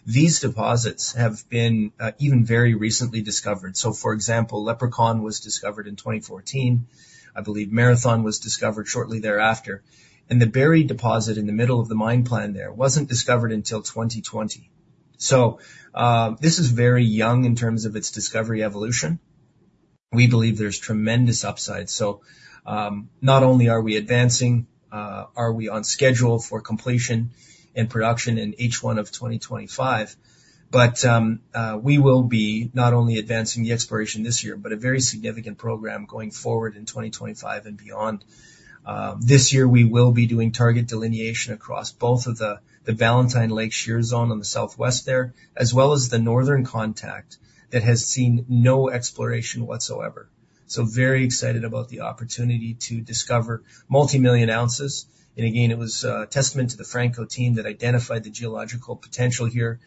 these deposits have been even very recently discovered. So for example, Leprechaun was discovered in 2014. I believe Marathon was discovered shortly thereafter, and the buried deposit in the middle of the mine plan there wasn't discovered until 2020. So, this is very young in terms of its discovery evolution. We believe there's tremendous upside. So, not only are we advancing, are we on schedule for completion and production in H1 of 2025, but we will be not only advancing the exploration this year, but a very significant program going forward in 2025 and beyond. This year, we will be doing target delineation across both of the Valentine Lake Shear Zone on the southwest there, as well as the northern contact that has seen no exploration whatsoever. So very excited about the opportunity to discover multimillion ounces. Again, it was a testament to the Franco team that identified the geological potential here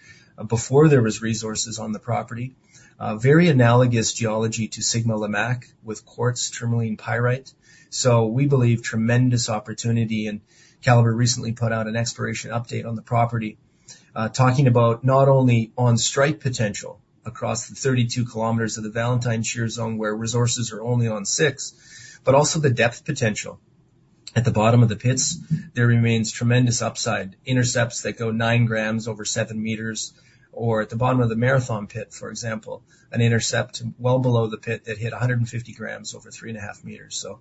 before there was resources on the property. Very analogous geology to Sigma-Lamaque, with quartz tourmaline pyrite. So we believe tremendous opportunity, and Calibre recently put out an exploration update on the property, talking about not only on strike potential across the 32 kilometers of the Valentine Shear Zone, where resources are only on six, but also the depth potential. At the bottom of the pits, there remains tremendous upside intercepts that go 9 grams over 7 meters, or at the bottom of the Marathon pit, for example, an intercept well below the pit that hit 150 grams over 3.5 meters. So,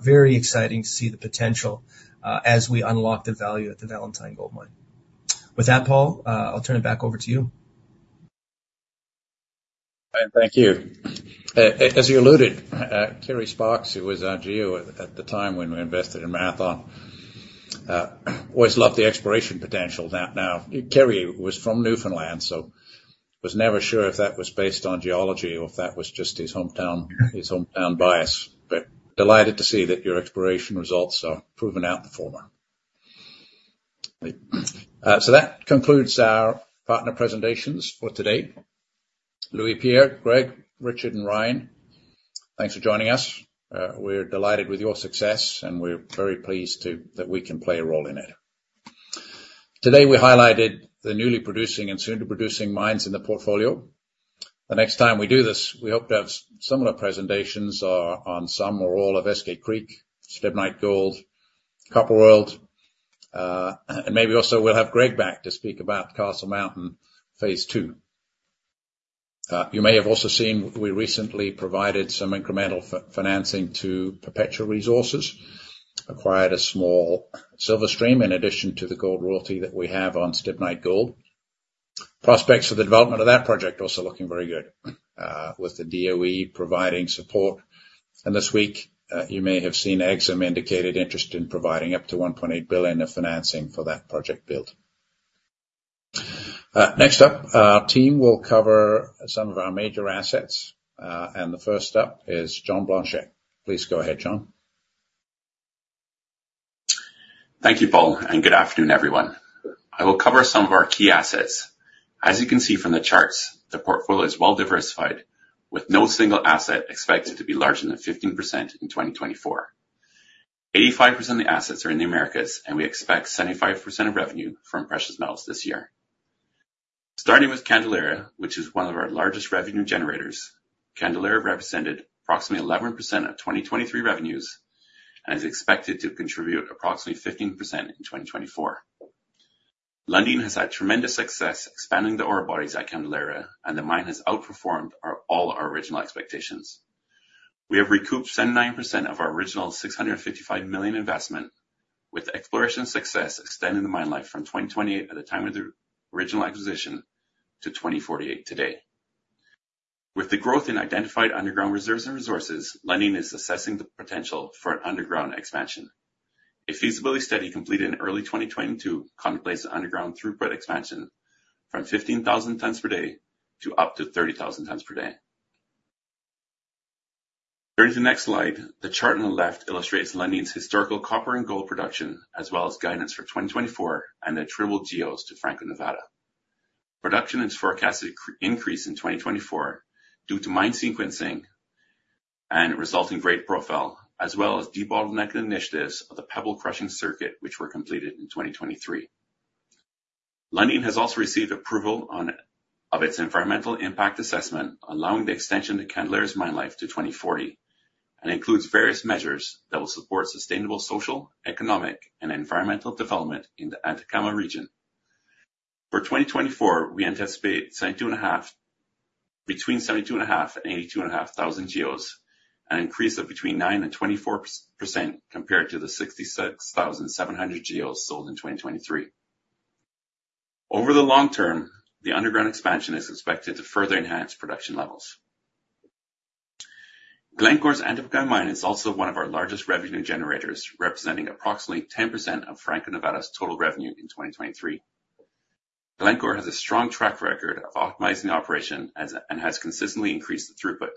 very exciting to see the potential as we unlock the value at the Valentine Gold Mine. With that, Paul, I'll turn it back over to you. Thank you. As you alluded, Kerry Sparks, who was our geo at the time when we invested in Marathon, always loved the exploration potential that now... Kerry was from Newfoundland, so was never sure if that was based on geology or if that was just his hometown, his hometown bias. But delighted to see that your exploration results are proven out the former. So that concludes our partner presentations for today. Louis-Pierre, Greg, Richard, and Ryan, thanks for joining us. We're delighted with your success, and we're very pleased that we can play a role in it. Today, we highlighted the newly producing and soon-to-producing mines in the portfolio. The next time we do this, we hope to have similar presentations on some or all of Eskay Creek, Steppe Gold, Copper World. And maybe also we'll have Greg back to speak about Castle Mountain Phase Two. You may have also seen we recently provided some incremental financing to Perpetua Resources, acquired a small silver stream, in addition to the gold royalty that we have on Stibnite Gold. Prospects for the development of that project are also looking very good, with the DOE providing support. And this week, you may have seen EXIM indicated interest in providing up to $1.8 billion of financing for that project build. Next up, our team will cover some of our major assets, and the first up is John Blanchette. Please go ahead, John. Thank you, Paul, and good afternoon, everyone. I will cover some of our key assets. As you can see from the charts, the portfolio is well diversified, with no single asset expected to be larger than 15% in 2024. 85% of the assets are in the Americas, and we expect 75% of revenue from precious metals this year. Starting with Candelaria, which is one of our largest revenue generators, Candelaria represented approximately 11% of 2023 revenues and is expected to contribute approximately 15% in 2024. Lundin has had tremendous success expanding the ore bodies at Candelaria, and the mine has outperformed our, all our original expectations. We have recouped 79% of our original $655 million investment, with exploration success extending the mine life from 2028 at the time of the original acquisition to 2048 today. With the growth in identified underground reserves and resources, Lundin is assessing the potential for an underground expansion. A feasibility study completed in early 2022 contemplates the underground throughput expansion from 15,000 tons per day to up to 30,000 tons per day. During the next slide, the chart on the left illustrates Lundin's historical copper and gold production, as well as guidance for 2024 and their attributable GEOs to Franco-Nevada. Production is forecasted to increase in 2024 due to mine sequencing and resulting grade profile, as well as debottleneck initiatives of the pebble crushing circuit, which were completed in 2023. Lundin has also received approval of its environmental impact assessment, allowing the extension to Candelaria's mine life to 2040, and includes various measures that will support sustainable social, economic, and environmental development in the Antofagasta region. For 2024, we anticipate 72.5-- between 72.5 and 82.5 thousand GEOs, an increase of between 9% and 24% compared to the 66,700 GEOs sold in 2023. Over the long term, the underground expansion is expected to further enhance production levels. Glencore's Antamina mine is also one of our largest revenue generators, representing approximately 10% of Franco-Nevada's total revenue in 2023. Glencore has a strong track record of optimizing the operation as, and has consistently increased the throughput.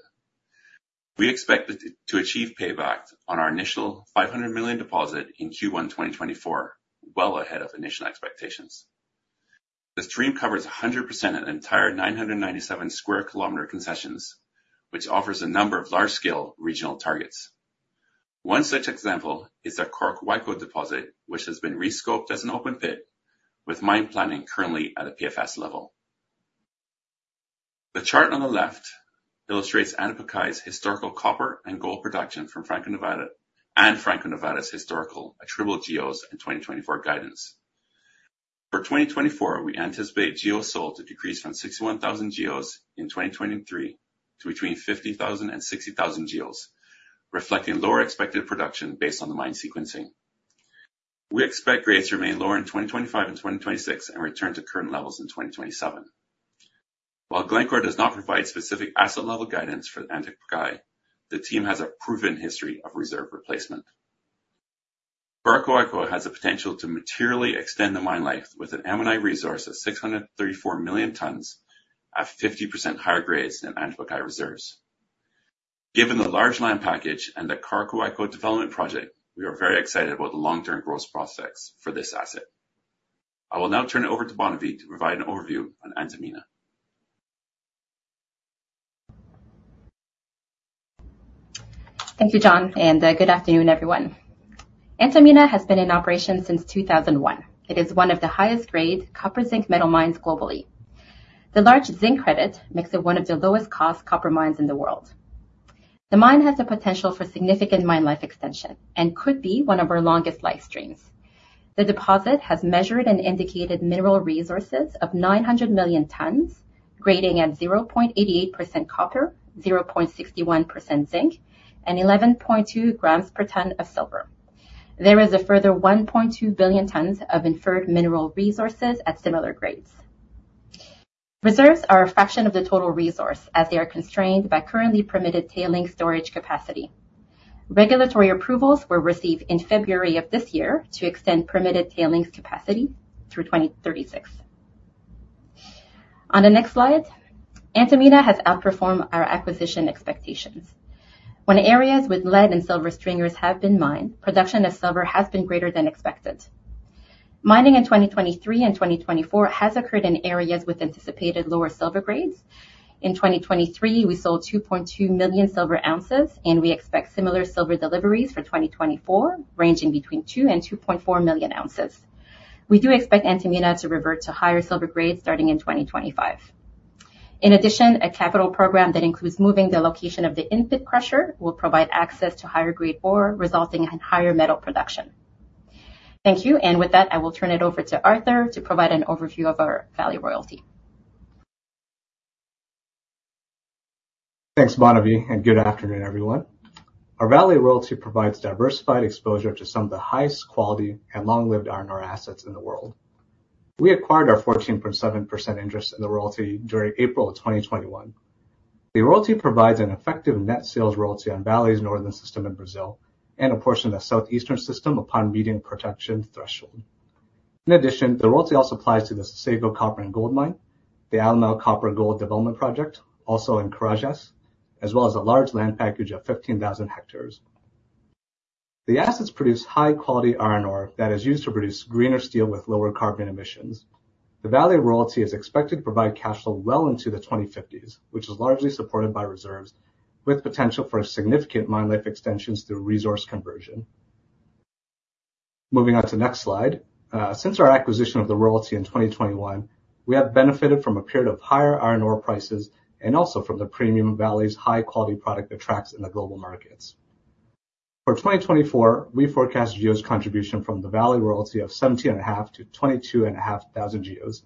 We expect it to achieve payback on our initial $500 million deposit in Q1 2024, well ahead of initial expectations. The stream covers 100% of the entire 997 sq km concessions, which offers a number of large-scale regional targets. One such example is the deposit, which has been re-scoped as an open pit, with mine planning currently at a PFS level. The chart on the left illustrates Antamina's historical copper and gold production from Franco-Nevada, and Franco-Nevada's historical attributable GEOs in 2024 guidance. For 2024, we anticipate GEOs sold to decrease from 61,000 GEOs in 2023 to between 50,000 and 60,000 GEOs, reflecting lower expected production based on the mine sequencing. We expect grades to remain lower in 2025 and 2026, and return to current levels in 2027. While Glencore does not provide specific asset level guidance for the Antamina, the team has a proven history of reserve replacement. Cañariaco has the potential to materially extend the mine life with an M&I resource of 634 million tons at 50% higher grades than Antamina reserves. Given the large land package and the Cañariaco development project, we are very excited about the long-term growth prospects for this asset. I will now turn it over to Barnaby to provide an overview on Antamina. Thank you, John, and good afternoon, everyone. Antamina has been in operation since 2001. It is one of the highest grade copper zinc metal mines globally. The large zinc credit makes it one of the lowest cost copper mines in the world. The mine has the potential for significant mine life extension and could be one of our longest life streams. The deposit has measured and indicated mineral resources of 900 million tons, grading at 0.88% copper, 0.61% zinc, and 11.2 grams per ton of silver. There is a further 1.2 billion tons of inferred mineral resources at similar grades. Reserves are a fraction of the total resource, as they are constrained by currently permitted tailings storage capacity. Regulatory approvals were received in February of this year to extend permitted tailings capacity through 2036. On the next slide, Antamina has outperformed our acquisition expectations. When areas with lead and silver stringers have been mined, production of silver has been greater than expected. Mining in 2023 and 2024 has occurred in areas with anticipated lower silver grades. In 2023, we sold 2.2 million silver ounces, and we expect similar silver deliveries for 2024, ranging between 2 and 2.4 million ounces. We do expect Antamina to revert to higher silver grades starting in 2025. In addition, a capital program that includes moving the location of the in-pit crusher will provide access to higher grade ore, resulting in higher metal production. Thank you, and with that, I will turn it over to Arthur to provide an overview of our Vale Royalty. Thanks, Barnaby, and good afternoon, everyone. Our Vale Royalty provides diversified exposure to some of the highest quality and long-lived iron ore assets in the world. We acquired our 14.7% interest in the royalty during April 2021. The royalty provides an effective net sales royalty on Vale's Northern system in Brazil, and a portion of the Southeastern system upon meeting protection threshold. In addition, the royalty also applies to the Vale Copper and Gold Mine, the Alemão Copper and Gold development project, also in Carajás, as well as a large land package of 15,000 hectares. The assets produce high quality iron ore that is used to produce greener steel with lower carbon emissions. The Vale Royalty is expected to provide cash flow well into the 2050s, which is largely supported by reserves, with potential for significant mine life extensions through resource conversion. Moving on to the next slide. Since our acquisition of the royalty in 2021, we have benefited from a period of higher iron ore prices and also from the premium Vale's high quality product attracts in the global markets. For 2024, we forecast GEOs contribution from the Vale Royalty of 17.5-22.5 thousand GEOs,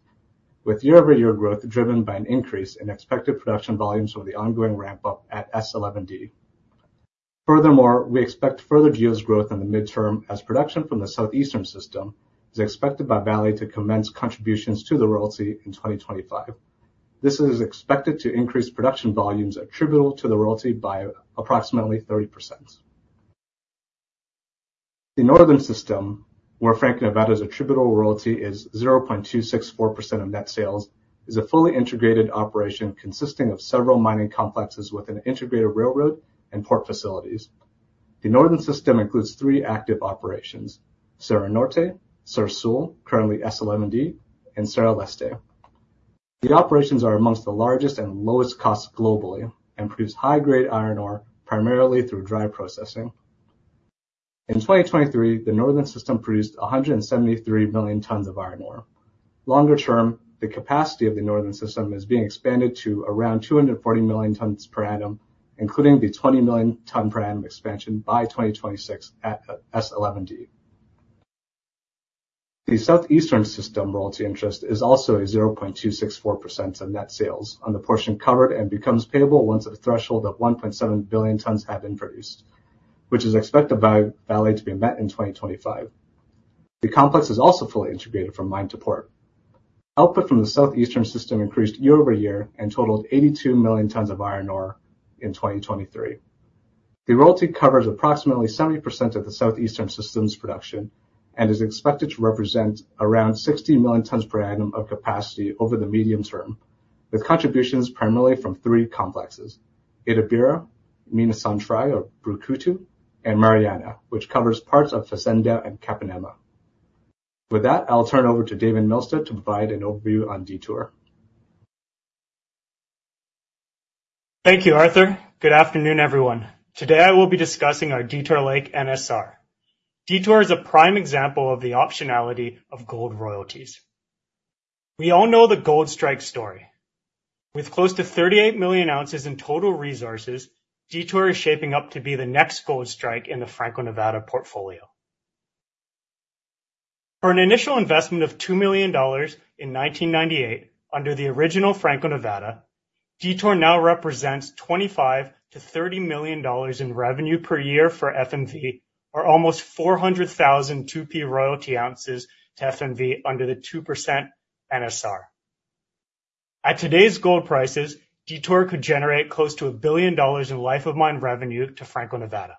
with year-over-year growth driven by an increase in expected production volumes from the ongoing ramp up at S11D. Furthermore, we expect further GEOs growth in the mid-term as production from the Southeastern system is expected by Vale to commence contributions to the royalty in 2025. This is expected to increase production volumes attributable to the royalty by approximately 30%. The Northern system, where Franco-Nevada's attributable royalty is 0.264% of net sales, is a fully integrated operation consisting of several mining complexes with an integrated railroad and port facilities. The Northern system includes three active operations, Serra Norte, Serra Sul, currently S11D, and Serra Leste. The operations are among the largest and lowest cost globally, and produce high-grade iron ore, primarily through dry processing. In 2023, the Northern system produced 173 million tons of iron ore. Longer term, the capacity of the Northern system is being expanded to around 240 million tons per annum, including the 20 million tons per annum expansion by 2026 at S11D. The Southeastern system royalty interest is also a 0.264% of net sales on the portion covered, and becomes payable once a threshold of 1.7 billion tons have been produced, which is expected by Vale to be met in 2025. The complex is also fully integrated from mine to port. Output from the Southeastern system increased year-over-year and totaled 82 million tons of iron ore in 2023. The royalty covers approximately 70% of the Southeastern system's production and is expected to represent around 60 million tons per annum of capacity over the medium term, with contributions primarily from three complexes: Itabira, Mina Central or Brucutu, and Mariana, which covers parts of Fazenda and Capanema. With that, I'll turn over to David Milstead to provide an overview on Detour. Thank you, Arthur. Good afternoon, everyone. Today, I will be discussing our Detour Lake NSR. Detour is a prime example of the optionality of gold royalties. We all know the gold strike story. With close to 38 million ounces in total resources, Detour is shaping up to be the next gold strike in the Franco-Nevada portfolio. For an initial investment of $2 million in 1998 under the original Franco-Nevada, Detour now represents $25 million-$30 million in revenue per year for FNV, or almost 400,000 2P royalty ounces to FNV under the 2% NSR. At today's gold prices, Detour could generate close to $1 billion in life of mine revenue to Franco-Nevada.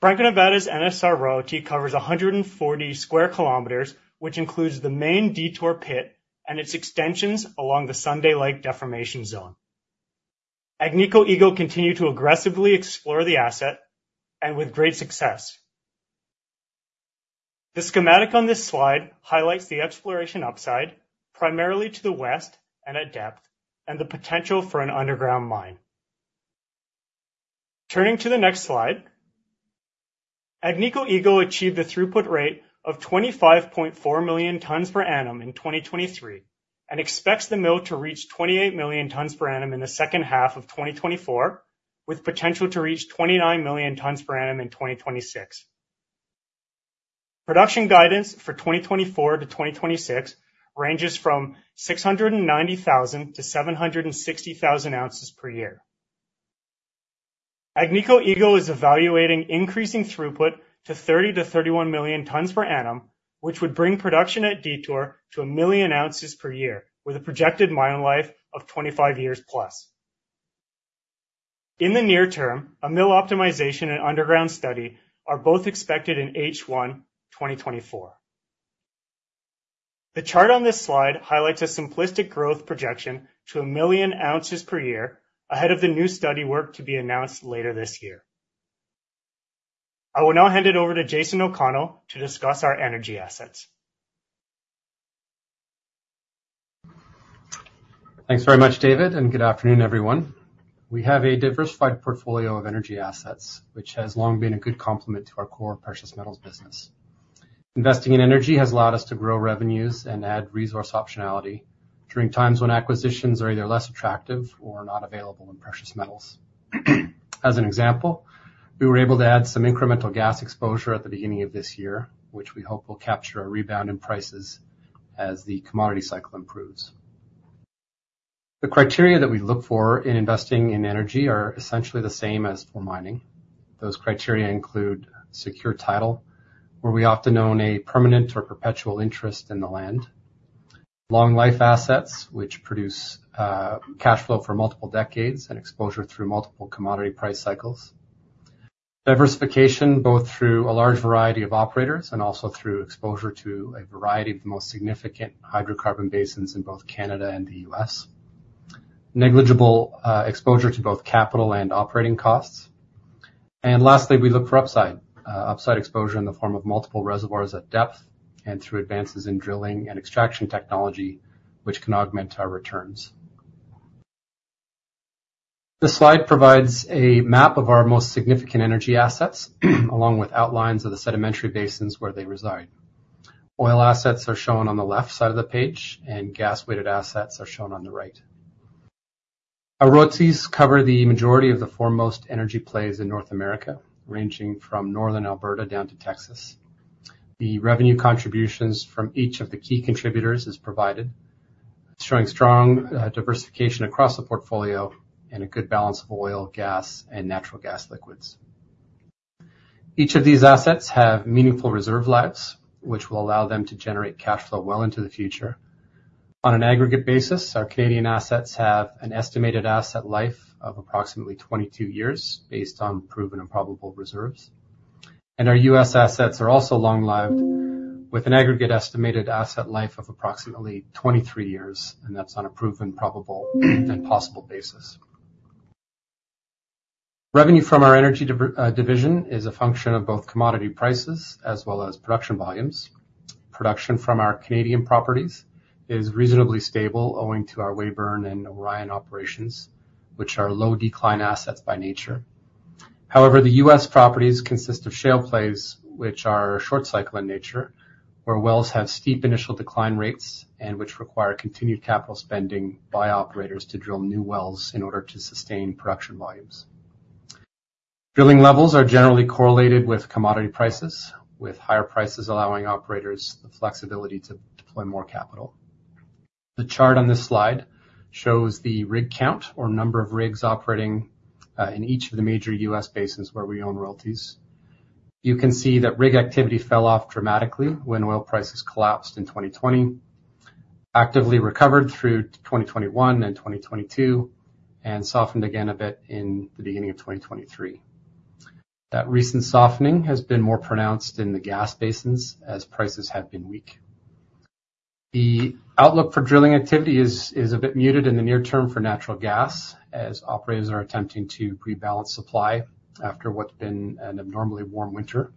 Franco-Nevada's NSR royalty covers 140 square kilometers, which includes the main Detour pit and its extensions along the Sunday Lake Deformation Zone. Agnico Eagle continued to aggressively explore the asset, and with great success. The schematic on this slide highlights the exploration upside, primarily to the west and at depth, and the potential for an underground mine. Turning to the next slide, Agnico Eagle achieved a throughput rate of 25.4 million tons per annum in 2023, and expects the mill to reach 28 million tons per annum in the second half of 2024, with potential to reach 29 million tons per annum in 2026. Production guidance for 2024-2026 ranges from 690,000 to 760,000 ounces per year. Agnico Eagle is evaluating increasing throughput to 30-31 million tons per annum, which would bring production at Detour to 1 million ounces per year, with a projected mine life of 25 years plus. In the near term, a mill optimization and underground study are both expected in H1 2024. The chart on this slide highlights a simplistic growth projection to 1 million ounces per year ahead of the new study work to be announced later this year. I will now hand it over to Jason O'Connell to discuss our energy assets. Thanks very much, David, and good afternoon, everyone. We have a diversified portfolio of energy assets, which has long been a good complement to our core precious metals business. Investing in energy has allowed us to grow revenues and add resource optionality during times when acquisitions are either less attractive or not available in precious metals. As an example, we were able to add some incremental gas exposure at the beginning of this year, which we hope will capture a rebound in prices as the commodity cycle improves. The criteria that we look for in investing in energy are essentially the same as for mining. Those criteria include secure title, where we often own a permanent or perpetual interest in the land. Long life assets, which produce cash flow for multiple decades and exposure through multiple commodity price cycles. Diversification, both through a large variety of operators and also through exposure to a variety of the most significant hydrocarbon basins in both Canada and the U.S. Negligible exposure to both capital and operating costs. Lastly, we look for upside, upside exposure in the form of multiple reservoirs at depth and through advances in drilling and extraction technology, which can augment our returns. This slide provides a map of our most significant energy assets, along with outlines of the sedimentary basins where they reside. Oil assets are shown on the left side of the page, and gas-weighted assets are shown on the right. Our royalties cover the majority of the foremost energy plays in North America, ranging from northern Alberta down to Texas. The revenue contributions from each of the key contributors is provided, showing strong diversification across the portfolio and a good balance of oil, gas, and natural gas liquids. Each of these assets have meaningful reserve lives, which will allow them to generate cash flow well into the future. On an aggregate basis, our Canadian assets have an estimated asset life of approximately 22 years, based on proven and probable reserves.... And our US assets are also long-lived, with an aggregate estimated asset life of approximately 23 years, and that's on a proven, probable, and possible basis. Revenue from our energy division is a function of both commodity prices as well as production volumes. Production from our Canadian properties is reasonably stable, owing to our Weyburn and Orion operations, which are low decline assets by nature. However, the US properties consist of shale plays, which are short cycle in nature, where wells have steep initial decline rates, and which require continued capital spending by operators to drill new wells in order to sustain production volumes. Drilling levels are generally correlated with commodity prices, with higher prices allowing operators the flexibility to deploy more capital. The chart on this slide shows the rig count or number of rigs operating in each of the major US basins where we own royalties. You can see that rig activity fell off dramatically when oil prices collapsed in 2020, actively recovered through 2021 and 2022, and softened again a bit in the beginning of 2023. That recent softening has been more pronounced in the gas basins as prices have been weak. The outlook for drilling activity is a bit muted in the near term for natural gas, as operators are attempting to rebalance supply after what's been an abnormally warm winter.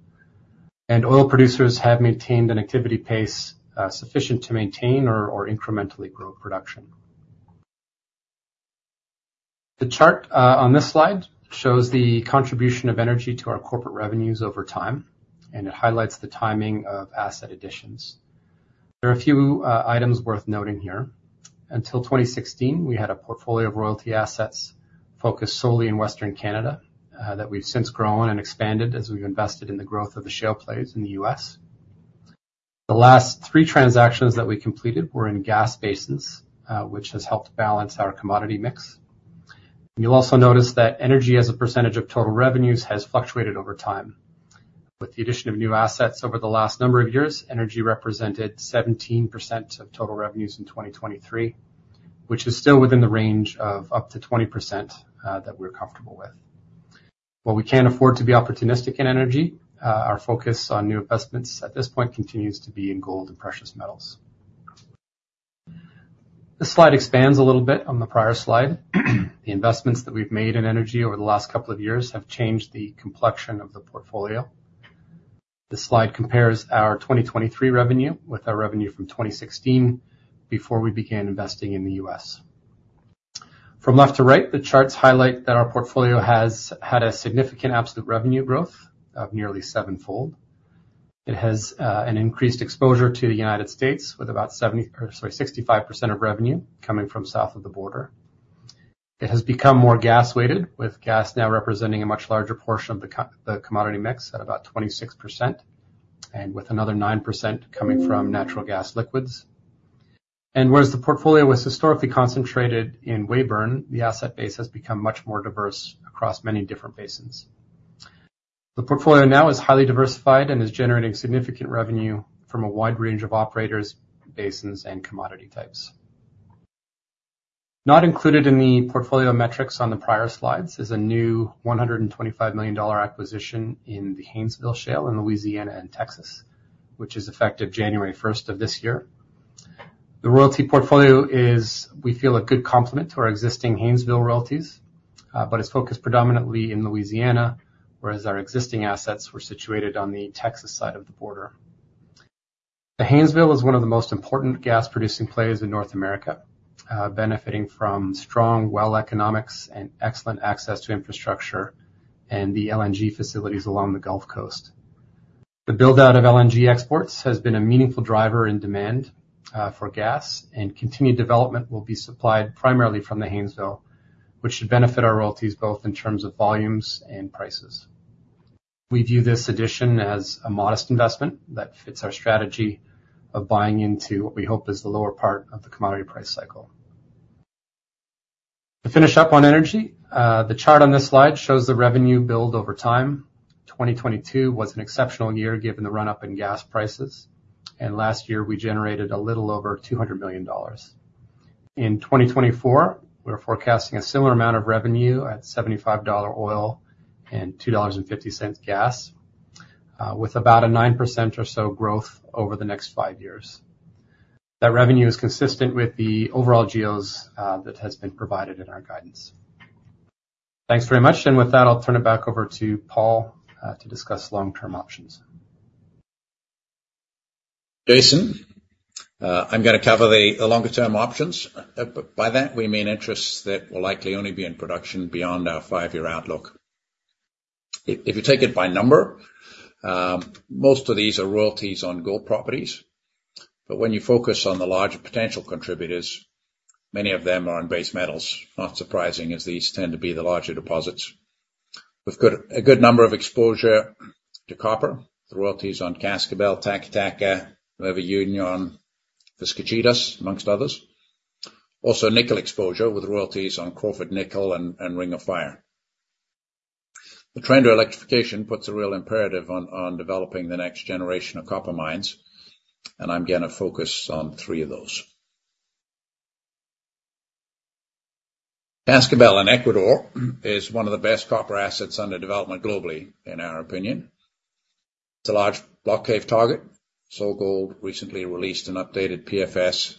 Oil producers have maintained an activity pace sufficient to maintain or incrementally grow production. The chart on this slide shows the contribution of energy to our corporate revenues over time, and it highlights the timing of asset additions. There are a few items worth noting here. Until 2016, we had a portfolio of royalty assets focused solely in Western Canada that we've since grown and expanded as we've invested in the growth of the shale plays in the U.S. The last three transactions that we completed were in gas basins, which has helped balance our commodity mix. You'll also notice that energy as a percentage of total revenues has fluctuated over time. With the addition of new assets over the last number of years, energy represented 17% of total revenues in 2023, which is still within the range of up to 20%, that we're comfortable with. While we can't afford to be opportunistic in energy, our focus on new investments at this point continues to be in gold and precious metals. This slide expands a little bit on the prior slide. The investments that we've made in energy over the last couple of years have changed the complexion of the portfolio. This slide compares our 2023 revenue with our revenue from 2016, before we began investing in the US. From left to right, the charts highlight that our portfolio has had a significant absolute revenue growth of nearly sevenfold. It has an increased exposure to the United States, with about 70, or sorry, 65% of revenue coming from south of the border. It has become more gas-weighted, with gas now representing a much larger portion of the commodity mix at about 26%, and with another 9% coming from natural gas liquids. Whereas the portfolio was historically concentrated in Weyburn, the asset base has become much more diverse across many different basins. The portfolio now is highly diversified and is generating significant revenue from a wide range of operators, basins, and commodity types. Not included in the portfolio metrics on the prior slides is a new $125 million acquisition in the Haynesville Shale in Louisiana and Texas, which is effective January first of this year. The royalty portfolio is, we feel, a good complement to our existing Haynesville royalties, but it's focused predominantly in Louisiana, whereas our existing assets were situated on the Texas side of the border. The Haynesville is one of the most important gas-producing plays in North America, benefiting from strong well economics and excellent access to infrastructure and the LNG facilities along the Gulf Coast. The build-out of LNG exports has been a meaningful driver in demand for gas, and continued development will be supplied primarily from the Haynesville, which should benefit our royalties both in terms of volumes and prices. We view this addition as a modest investment that fits our strategy of buying into what we hope is the lower part of the commodity price cycle. To finish up on energy, the chart on this slide shows the revenue build over time. 2022 was an exceptional year, given the run-up in gas prices, and last year, we generated a little over $200 million. In 2024, we're forecasting a similar amount of revenue at $75 oil and $2.50 gas, with about a 9% or so growth over the next five years. That revenue is consistent with the overall GEOs, that has been provided in our guidance. Thanks very much, and with that, I'll turn it back over to Paul to discuss long-term options. Jason, I'm gonna cover the longer-term options. By that, we mean interests that will likely only be in production beyond our five-year outlook. If you take it by number, most of these are royalties on gold properties, but when you focus on the larger potential contributors, many of them are on base metals. Not surprising, as these tend to be the larger deposits. We've got a good number of exposure to copper, the royalties on Cascabel, Taca Taca, Nueva Unión, Viscachitas, amongst others. Also, nickel exposure with royalties on Crawford Nickel and Ring of Fire. The trend to electrification puts a real imperative on developing the next generation of copper mines, and I'm gonna focus on three of those. Cascabel in Ecuador is one of the best copper assets under development globally, in our opinion. It's a large block cave target. SolGold recently released an updated PFS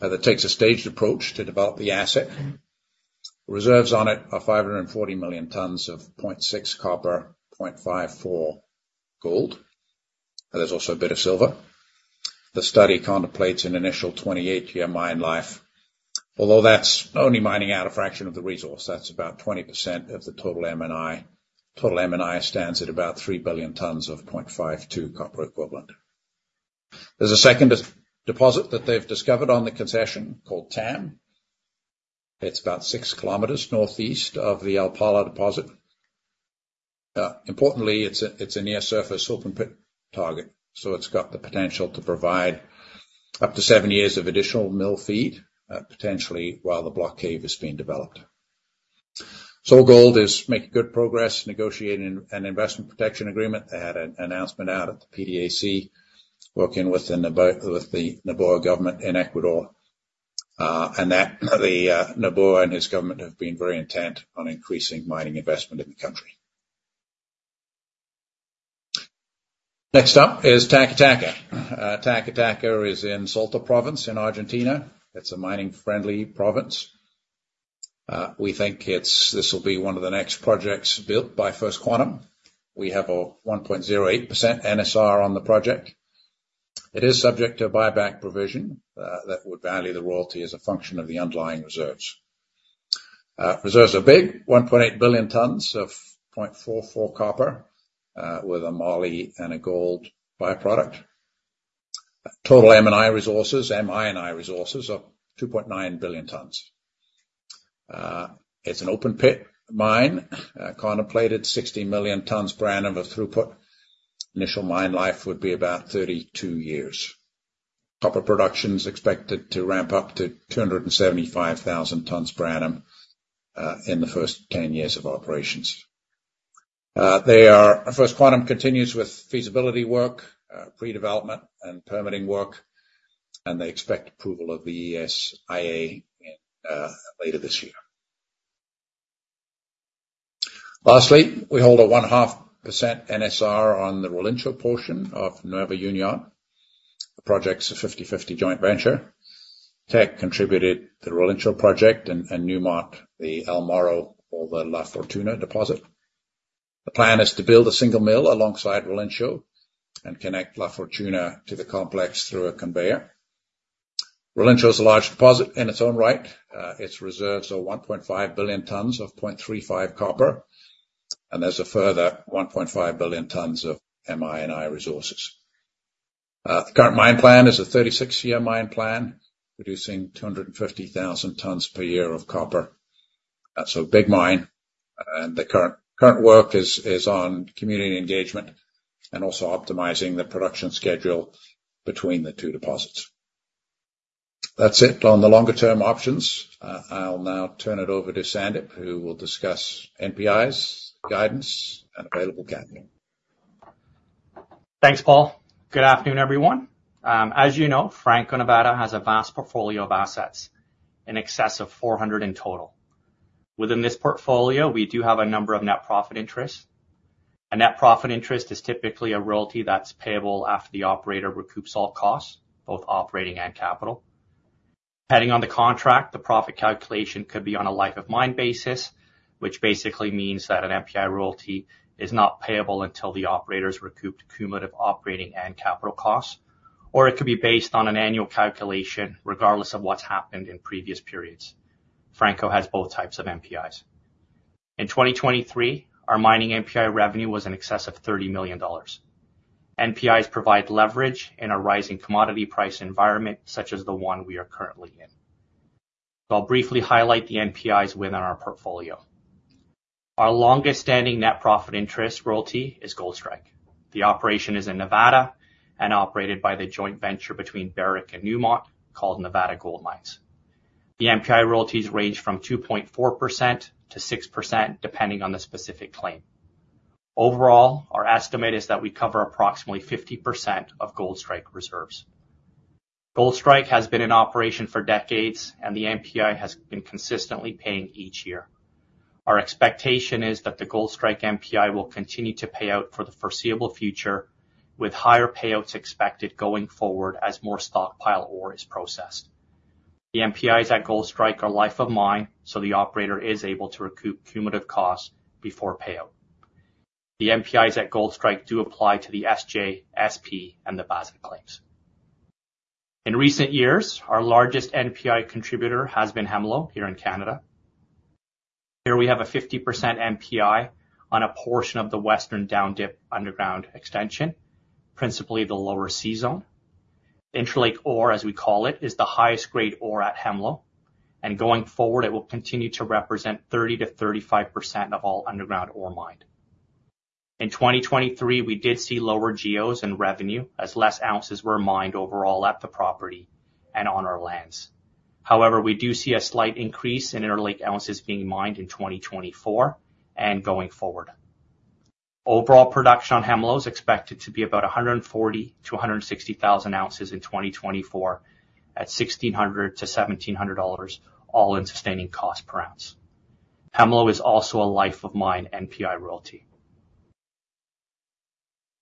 that takes a staged approach to develop the asset. Reserves on it are 540 million tons of 0.6 copper, 0.54 gold, and there's also a bit of silver. The study contemplates an initial 28-year mine life, although that's only mining out a fraction of the resource, that's about 20% of the total M&I. Total M&I stands at about 3 billion tons of 0.52 copper equivalent. There's a second deposit that they've discovered on the concession called TAM. It's about 6 km northeast of the Alpala deposit. Importantly, it's a near surface open pit target, so it's got the potential to provide up to 7 years of additional mill feed, potentially, while the block cave is being developed. SolGold is making good progress, negotiating an investment protection agreement. They had an announcement out at the PDAC, working with the Noboa government in Ecuador, and that the, Noboa and his government have been very intent on increasing mining investment in the country. Next up is Taca Taca. Taca Taca is in Salta province in Argentina. It's a mining-friendly province. We think this will be one of the next projects built by First Quantum. We have a 1.08% NSR on the project. It is subject to a buyback provision, that would value the royalty as a function of the underlying reserves. Reserves are big, 1.8 billion tons of 0.44% copper, with a moly and a gold by-product. Total M&I resources, M&I resources are 2.9 billion tons. It's an open pit mine, contemplated 60 million tons per annum of throughput. Initial mine life would be about 32 years. Copper production is expected to ramp up to 275,000 tons per annum in the first 10 years of operations. First Quantum continues with feasibility work, pre-development and permitting work, and they expect approval of the ESIA later this year. Lastly, we hold a 0.5% NSR on the Relincho portion of Nueva Unión. The project's a 50/50 joint venture. Teck contributed the Relincho project and Newmont, the El Morro or the La Fortuna deposit. The plan is to build a single mill alongside Relincho and connect La Fortuna to the complex through a conveyor. Relincho is a large deposit in its own right. Its reserves are 1.5 billion tons of 0.35 copper, and there's a further 1.5 billion tons of M&I resources. The current mine plan is a 36-year mine plan, producing 250,000 tons per year of copper. So big mine, and the current work is on community engagement and also optimizing the production schedule between the two deposits. That's it on the longer term options. I'll now turn it over to Sandip, who will discuss NPI's, guidance, and available capital. Thanks, Paul. Good afternoon, everyone. As you know, Franco-Nevada has a vast portfolio of assets, in excess of 400 in total. Within this portfolio, we do have a number of net profit interests. A net profit interest is typically a royalty that's payable after the operator recoups all costs, both operating and capital. Depending on the contract, the profit calculation could be on a life of mine basis, which basically means that an NPI royalty is not payable until the operator's recouped cumulative operating and capital costs, or it could be based on an annual calculation, regardless of what's happened in previous periods. Franco has both types of NPIs. In 2023, our mining NPI revenue was in excess of $30 million. NPIs provide leverage in a rising commodity price environment, such as the one we are currently in. I'll briefly highlight the NPIs within our portfolio. Our longest-standing net profit interest royalty is Goldstrike. The operation is in Nevada and operated by the joint venture between Barrick and Newmont, called Nevada Gold Mines. The NPI royalties range from 2.4%-6%, depending on the specific claim. Overall, our estimate is that we cover approximately 50% of Goldstrike reserves. Goldstrike has been in operation for decades, and the NPI has been consistently paying each year. Our expectation is that the Goldstrike NPI will continue to pay out for the foreseeable future, with higher payouts expected going forward as more stockpile ore is processed. The NPIs at Goldstrike are life of mine, so the operator is able to recoup cumulative costs before payout. The NPIs at Goldstrike do apply to the SJ, SP, and the Baza claims. In recent years, our largest NPI contributor has been Hemlo, here in Canada. Here we have a 50% NPI on a portion of the western down dip underground extension, principally the lower C zone. Intralake ore, as we call it, is the highest grade ore at Hemlo, and going forward, it will continue to represent 30%-35% of all underground ore mined. In 2023, we did see lower GEOs and revenue as less ounces were mined overall at the property and on our lands. However, we do see a slight increase in Interlake ounces being mined in 2024 and going forward. Overall production on Hemlo is expected to be about 140,000-160,000 ounces in 2024, at $1,600-$1,700 all in sustaining cost per ounce. Hemlo is also a life of mine NPI royalty.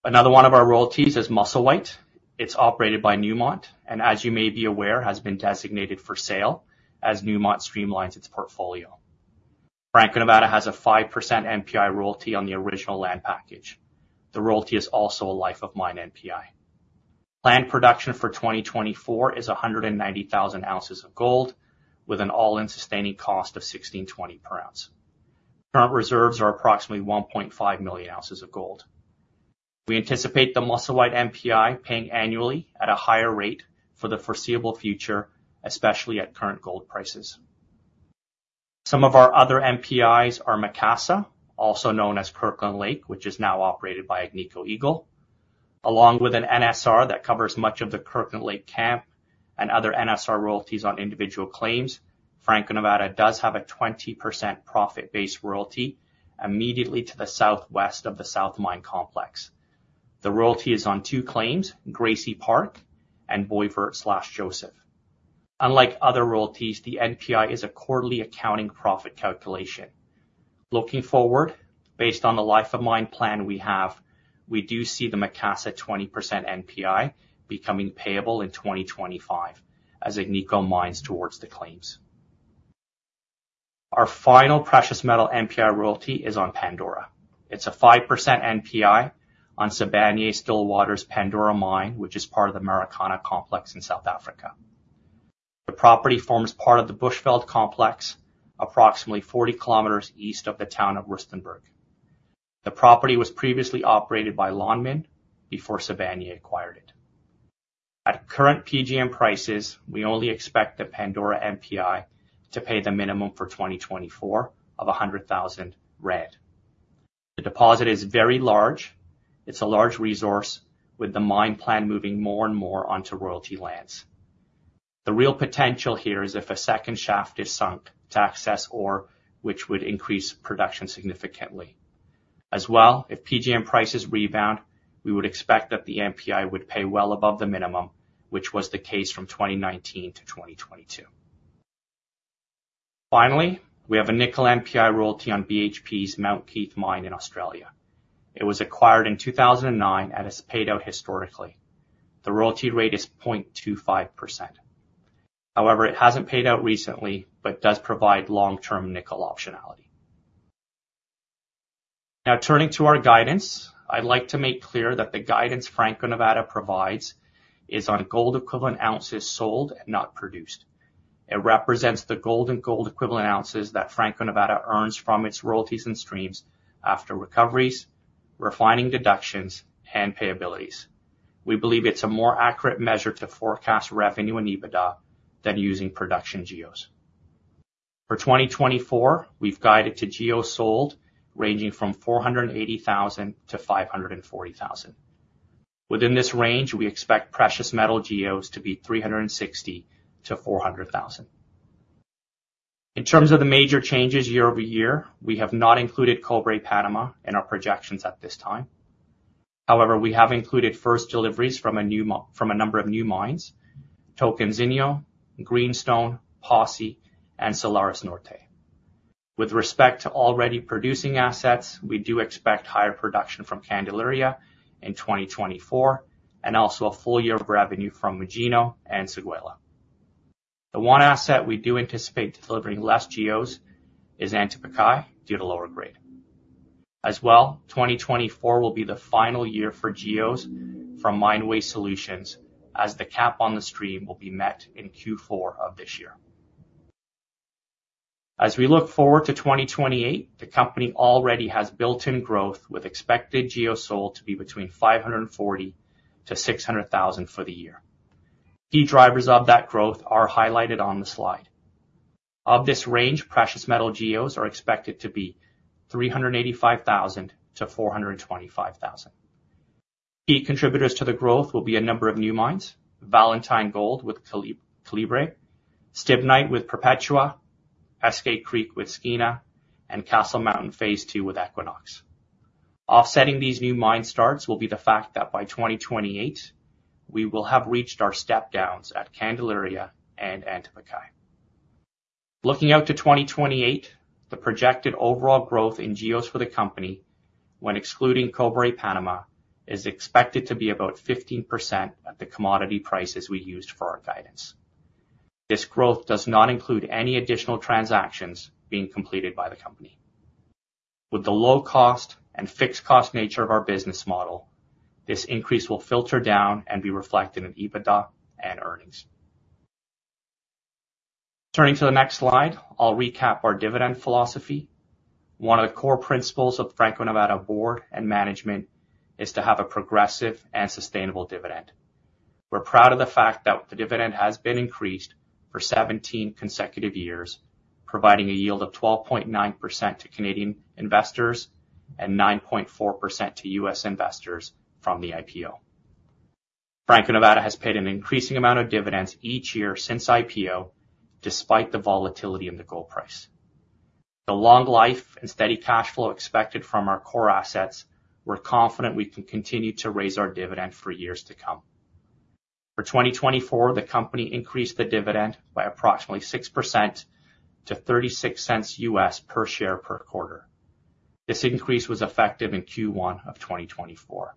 Another one of our royalties is Musselwhite. It's operated by Newmont, and as you may be aware, has been designated for sale as Newmont streamlines its portfolio. Franco-Nevada has a 5% NPI royalty on the original land package. The royalty is also a life of mine NPI. Planned production for 2024 is 190,000 ounces of gold, with an all-in sustaining cost of $1,620 per ounce. Current reserves are approximately 1.5 million ounces of gold. We anticipate the Musselwhite NPI paying annually at a higher rate for the foreseeable future, especially at current gold prices. Some of our other NPIs are Macassa, also known as Kirkland Lake, which is now operated by Agnico Eagle, along with an NSR that covers much of the Kirkland Lake camp and other NSR royalties on individual claims. Franco-Nevada does have a 20% profit-based royalty immediately to the southwest of the South Mine Complex. The royalty is on two claims, Gracie Park and Boisvert/Joseph. Unlike other royalties, the NPI is a quarterly accounting profit calculation. Looking forward, based on the life of mine plan we have, we do see the Macassa 20% NPI becoming payable in 2025 as Agnico mines towards the claims. Our final precious metal NPI royalty is on Pandora. It's a 5% NPI on Sibanye-Stillwater's Pandora Mine, which is part of the Marikana complex in South Africa. The property forms part of the Bushveld complex, approximately 40 kilometers east of the town of Rustenburg. The property was previously operated by Lonmin before Sibanye acquired it. At current PGM prices, we only expect the Pandora NPI to pay the minimum for 2024 of 100,000. The deposit is very large. It's a large resource, with the mine plan moving more and more onto royalty lands. The real potential here is if a second shaft is sunk to access ore, which would increase production significantly. As well, if PGM prices rebound, we would expect that the NPI would pay well above the minimum, which was the case from 2019 to 2022. Finally, we have a nickel NPI royalty on BHP's Mount Keith mine in Australia. It was acquired in 2009, and has paid out historically. The royalty rate is 0.25%. However, it hasn't paid out recently, but does provide long-term nickel optionality. Now, turning to our guidance, I'd like to make clear that the guidance Franco-Nevada provides is on gold equivalent ounces sold and not produced. It represents the gold and gold equivalent ounces that Franco-Nevada earns from its royalties and streams after recoveries, refining deductions, and payabilities. We believe it's a more accurate measure to forecast revenue and EBITDA than using production GEOs. For 2024, we've guided to GEO sold, ranging from 480,000-540,000. Within this range, we expect precious metal GEOs to be 360,000-400,000. In terms of the major changes year-over-year, we have not included Cobre Panama in our projections at this time. However, we have included first deliveries from a number of new mines, Tocantinzinho, Greenstone, Posse, and Salares Norte. With respect to already producing assets, we do expect higher production from Candelaria in 2024, and also a full year of revenue from Magino and Séguéla. The one asset we do anticipate delivering less GEOs is Antamina, due to lower grade. As well, 2024 will be the final year for GEOs from Mine Waste Solutions, as the cap on the stream will be met in Q4 of this year. As we look forward to 2028, the company already has built-in growth with expected GEO sold to be between 540,000-600,000 for the year. Key drivers of that growth are highlighted on the slide. Of this range, precious metal GEOs are expected to be 385,000-425,000. Key contributors to the growth will be a number of new mines, Valentine Gold with Calibre, Stibnite with Perpetua, Eskay Creek with Skeena, and Castle Mountain Phase Two with Equinox. Offsetting these new mine starts will be the fact that by 2028, we will have reached our step downs at Candelaria and Antamina. Looking out to 2028, the projected overall growth in GEOs for the company, when excluding Cobre Panama, is expected to be about 15% of the commodity prices we used for our guidance. This growth does not include any additional transactions being completed by the company. With the low cost and fixed cost nature of our business model, this increase will filter down and be reflected in EBITDA and earnings. Turning to the next slide, I'll recap our dividend philosophy. One of the core principles of the Franco-Nevada board and management is to have a progressive and sustainable dividend. We're proud of the fact that the dividend has been increased for 17 consecutive years, providing a yield of 12.9% to Canadian investors and 9.4% to US investors from the IPO. Franco-Nevada has paid an increasing amount of dividends each year since IPO, despite the volatility in the gold price. The long life and steady cash flow expected from our core assets, we're confident we can continue to raise our dividend for years to come. For 2024, the company increased the dividend by approximately 6% to $0.36 per share per quarter. This increase was effective in Q1 of 2024.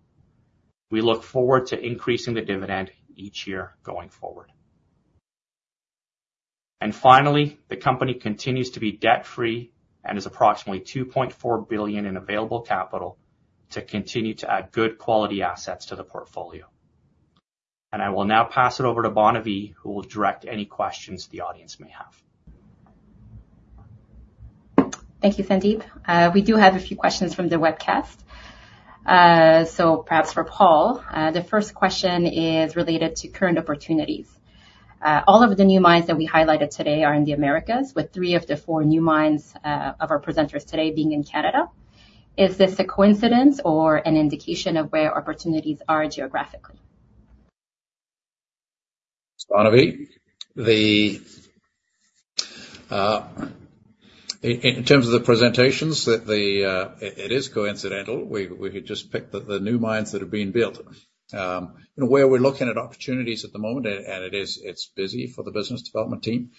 We look forward to increasing the dividend each year going forward. Finally, the company continues to be debt-free and is approximately $2.4 billion in available capital to continue to add good quality assets to the portfolio. I will now pass it over to Barnaby, who will direct any questions the audience may have. Thank you, Sandip. We do have a few questions from the webcast. So perhaps for Paul, the first question is related to current opportunities. All of the new mines that we highlighted today are in the Americas, with three of the four new mines of our presenters today being in Canada. Is this a coincidence or an indication of where opportunities are geographically? Barnaby, in terms of the presentations, that it is coincidental. We could just pick the new mines that are being built. You know, where we're looking at opportunities at the moment, and it is, it's busy for the business development team,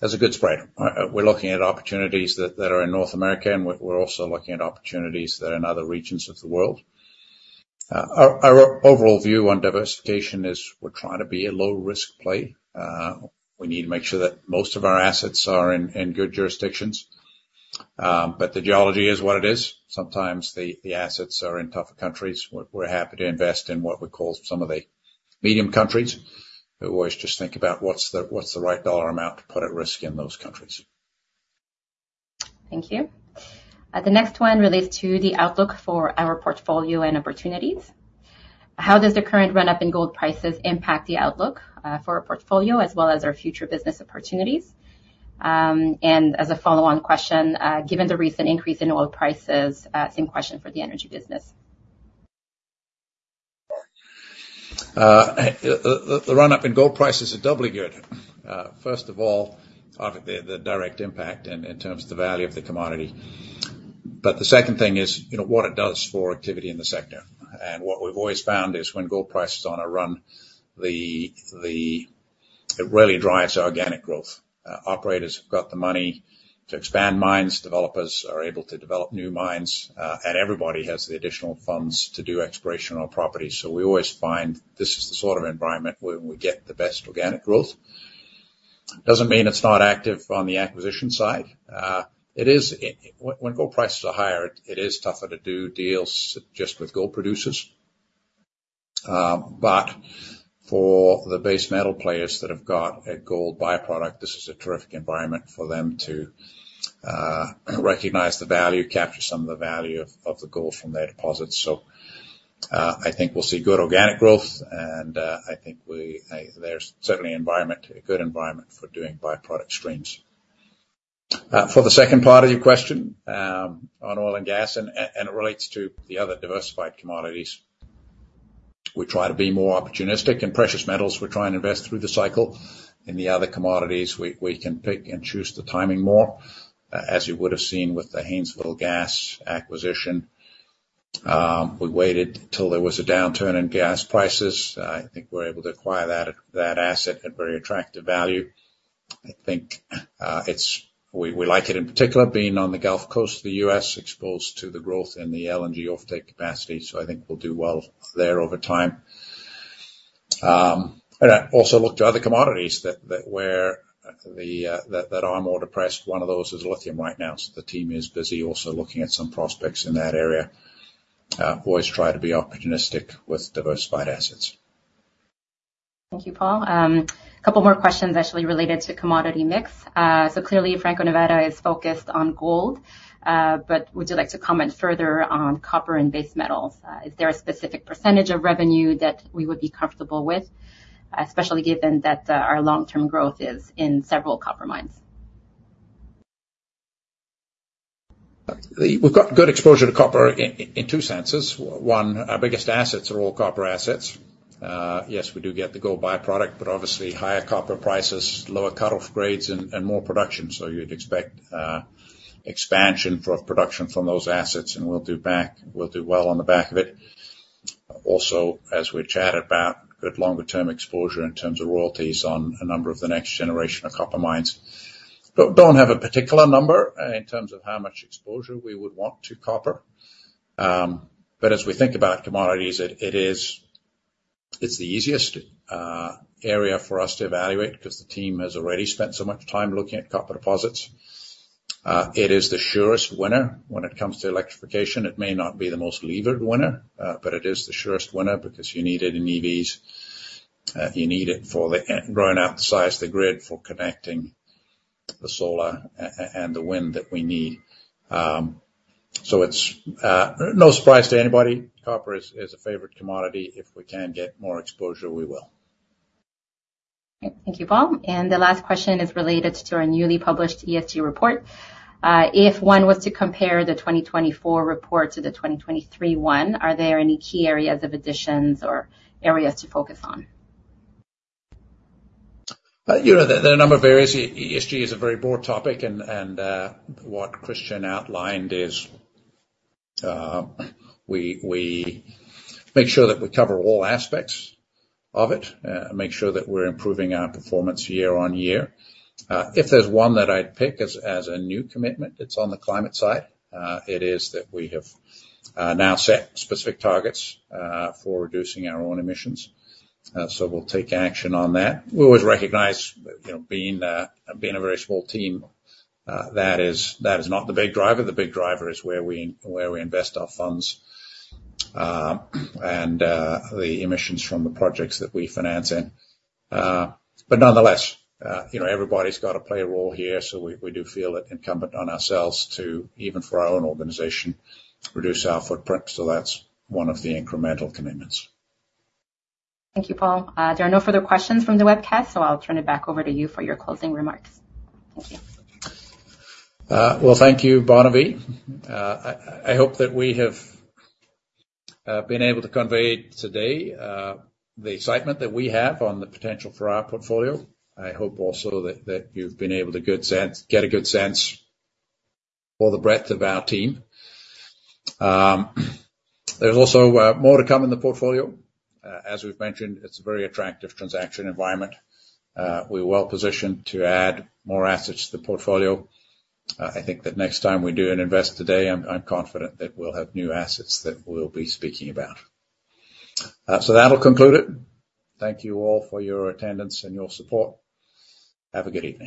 that's a good spread. We're looking at opportunities that are in North America, and we're also looking at opportunities that are in other regions of the world. Our overall view on diversification is we're trying to be a low-risk play. We need to make sure that most of our assets are in good jurisdictions, but the geology is what it is. Sometimes the assets are in tougher countries. We're happy to invest in what we call some of the medium countries. We always just think about what's the right dollar amount to put at risk in those countries. Thank you. The next one relates to the outlook for our portfolio and opportunities. How does the current run-up in gold prices impact the outlook, for our portfolio as well as our future business opportunities? And as a follow-on question, given the recent increase in oil prices, same question for the energy business. The run-up in gold prices are doubly good. First of all, obviously, the direct impact in terms of the value of the commodity. But the second thing is, you know, what it does for activity in the sector. And what we've always found is when gold price is on a run, it really drives organic growth. Operators have got the money to expand mines, developers are able to develop new mines, and everybody has the additional funds to do exploration on properties. So we always find this is the sort of environment where we get the best organic growth. Doesn't mean it's not active on the acquisition side. It is, when gold prices are higher, it is tougher to do deals just with gold producers. But for the base metal players that have got a gold by-product, this is a terrific environment for them to recognize the value, capture some of the value of the gold from their deposits. So, I think we'll see good organic growth, and I think there's certainly an environment, a good environment for doing by-product streams. For the second part of your question, on oil and gas, and it relates to the other diversified commodities. We try to be more opportunistic. In precious metals, we try and invest through the cycle. In the other commodities, we can pick and choose the timing more. As you would have seen with the Haynesville gas acquisition, we waited till there was a downturn in gas prices. I think we're able to acquire that asset at very attractive value. I think, we like it in particular, being on the Gulf Coast of the U.S., exposed to the growth in the LNG offtake capacity, so I think we'll do well there over time. I also looked to other commodities that are more depressed. One of those is lithium right now. So the team is busy also looking at some prospects in that area. Always try to be opportunistic with diversified assets. Thank you, Paul. A couple more questions actually related to commodity mix. So clearly, Franco-Nevada is focused on gold, but would you like to comment further on copper and base metals? Is there a specific percentage of revenue that we would be comfortable with, especially given that, our long-term growth is in several copper mines? We've got good exposure to copper in two senses. One, our biggest assets are all copper assets. Yes, we do get the gold by-product, but obviously, higher copper prices, lower cut-off grades, and more production. So you'd expect expansion for production from those assets, and we'll do well on the back of it. Also, as we chatted about, good longer-term exposure in terms of royalties on a number of the next generation of copper mines. But don't have a particular number in terms of how much exposure we would want to copper. But as we think about commodities, it is the easiest area for us to evaluate, because the team has already spent so much time looking at copper deposits. It is the surest winner when it comes to electrification. It may not be the most levered winner, but it is the surest winner, because you need it in EVs. You need it for the growing out the size of the grid, for connecting the solar and the wind that we need. So it's no surprise to anybody, copper is a favorite commodity. If we can get more exposure, we will.... Thank you, Paul. And the last question is related to our newly published ESG report. If one was to compare the 2024 report to the 2023 one, are there any key areas of additions or areas to focus on? You know, there are a number of areas. ESG is a very broad topic, and what Christian outlined is, we make sure that we cover all aspects of it, make sure that we're improving our performance year on year. If there's one that I'd pick as a new commitment, it's on the climate side. It is that we have now set specific targets for reducing our own emissions. So we'll take action on that. We always recognize, you know, being a very small team, that is not the big driver. The big driver is where we invest our funds, and the emissions from the projects that we finance in. But nonetheless, you know, everybody's got to play a role here, so we, we do feel it incumbent on ourselves to, even for our own organization, reduce our footprint. So that's one of the incremental commitments. Thank you, Paul. There are no further questions from the webcast, so I'll turn it back over to you for your closing remarks. Thank you. Well, thank you, Barnaby. I hope that we have been able to convey today the excitement that we have on the potential for our portfolio. I hope also that you've been able to get a good sense for the breadth of our team. There's also more to come in the portfolio. As we've mentioned, it's a very attractive transaction environment. We're well positioned to add more assets to the portfolio. I think that next time we do an Investor Day, I'm confident that we'll have new assets that we'll be speaking about. So that'll conclude it. Thank you all for your attendance and your support. Have a good evening.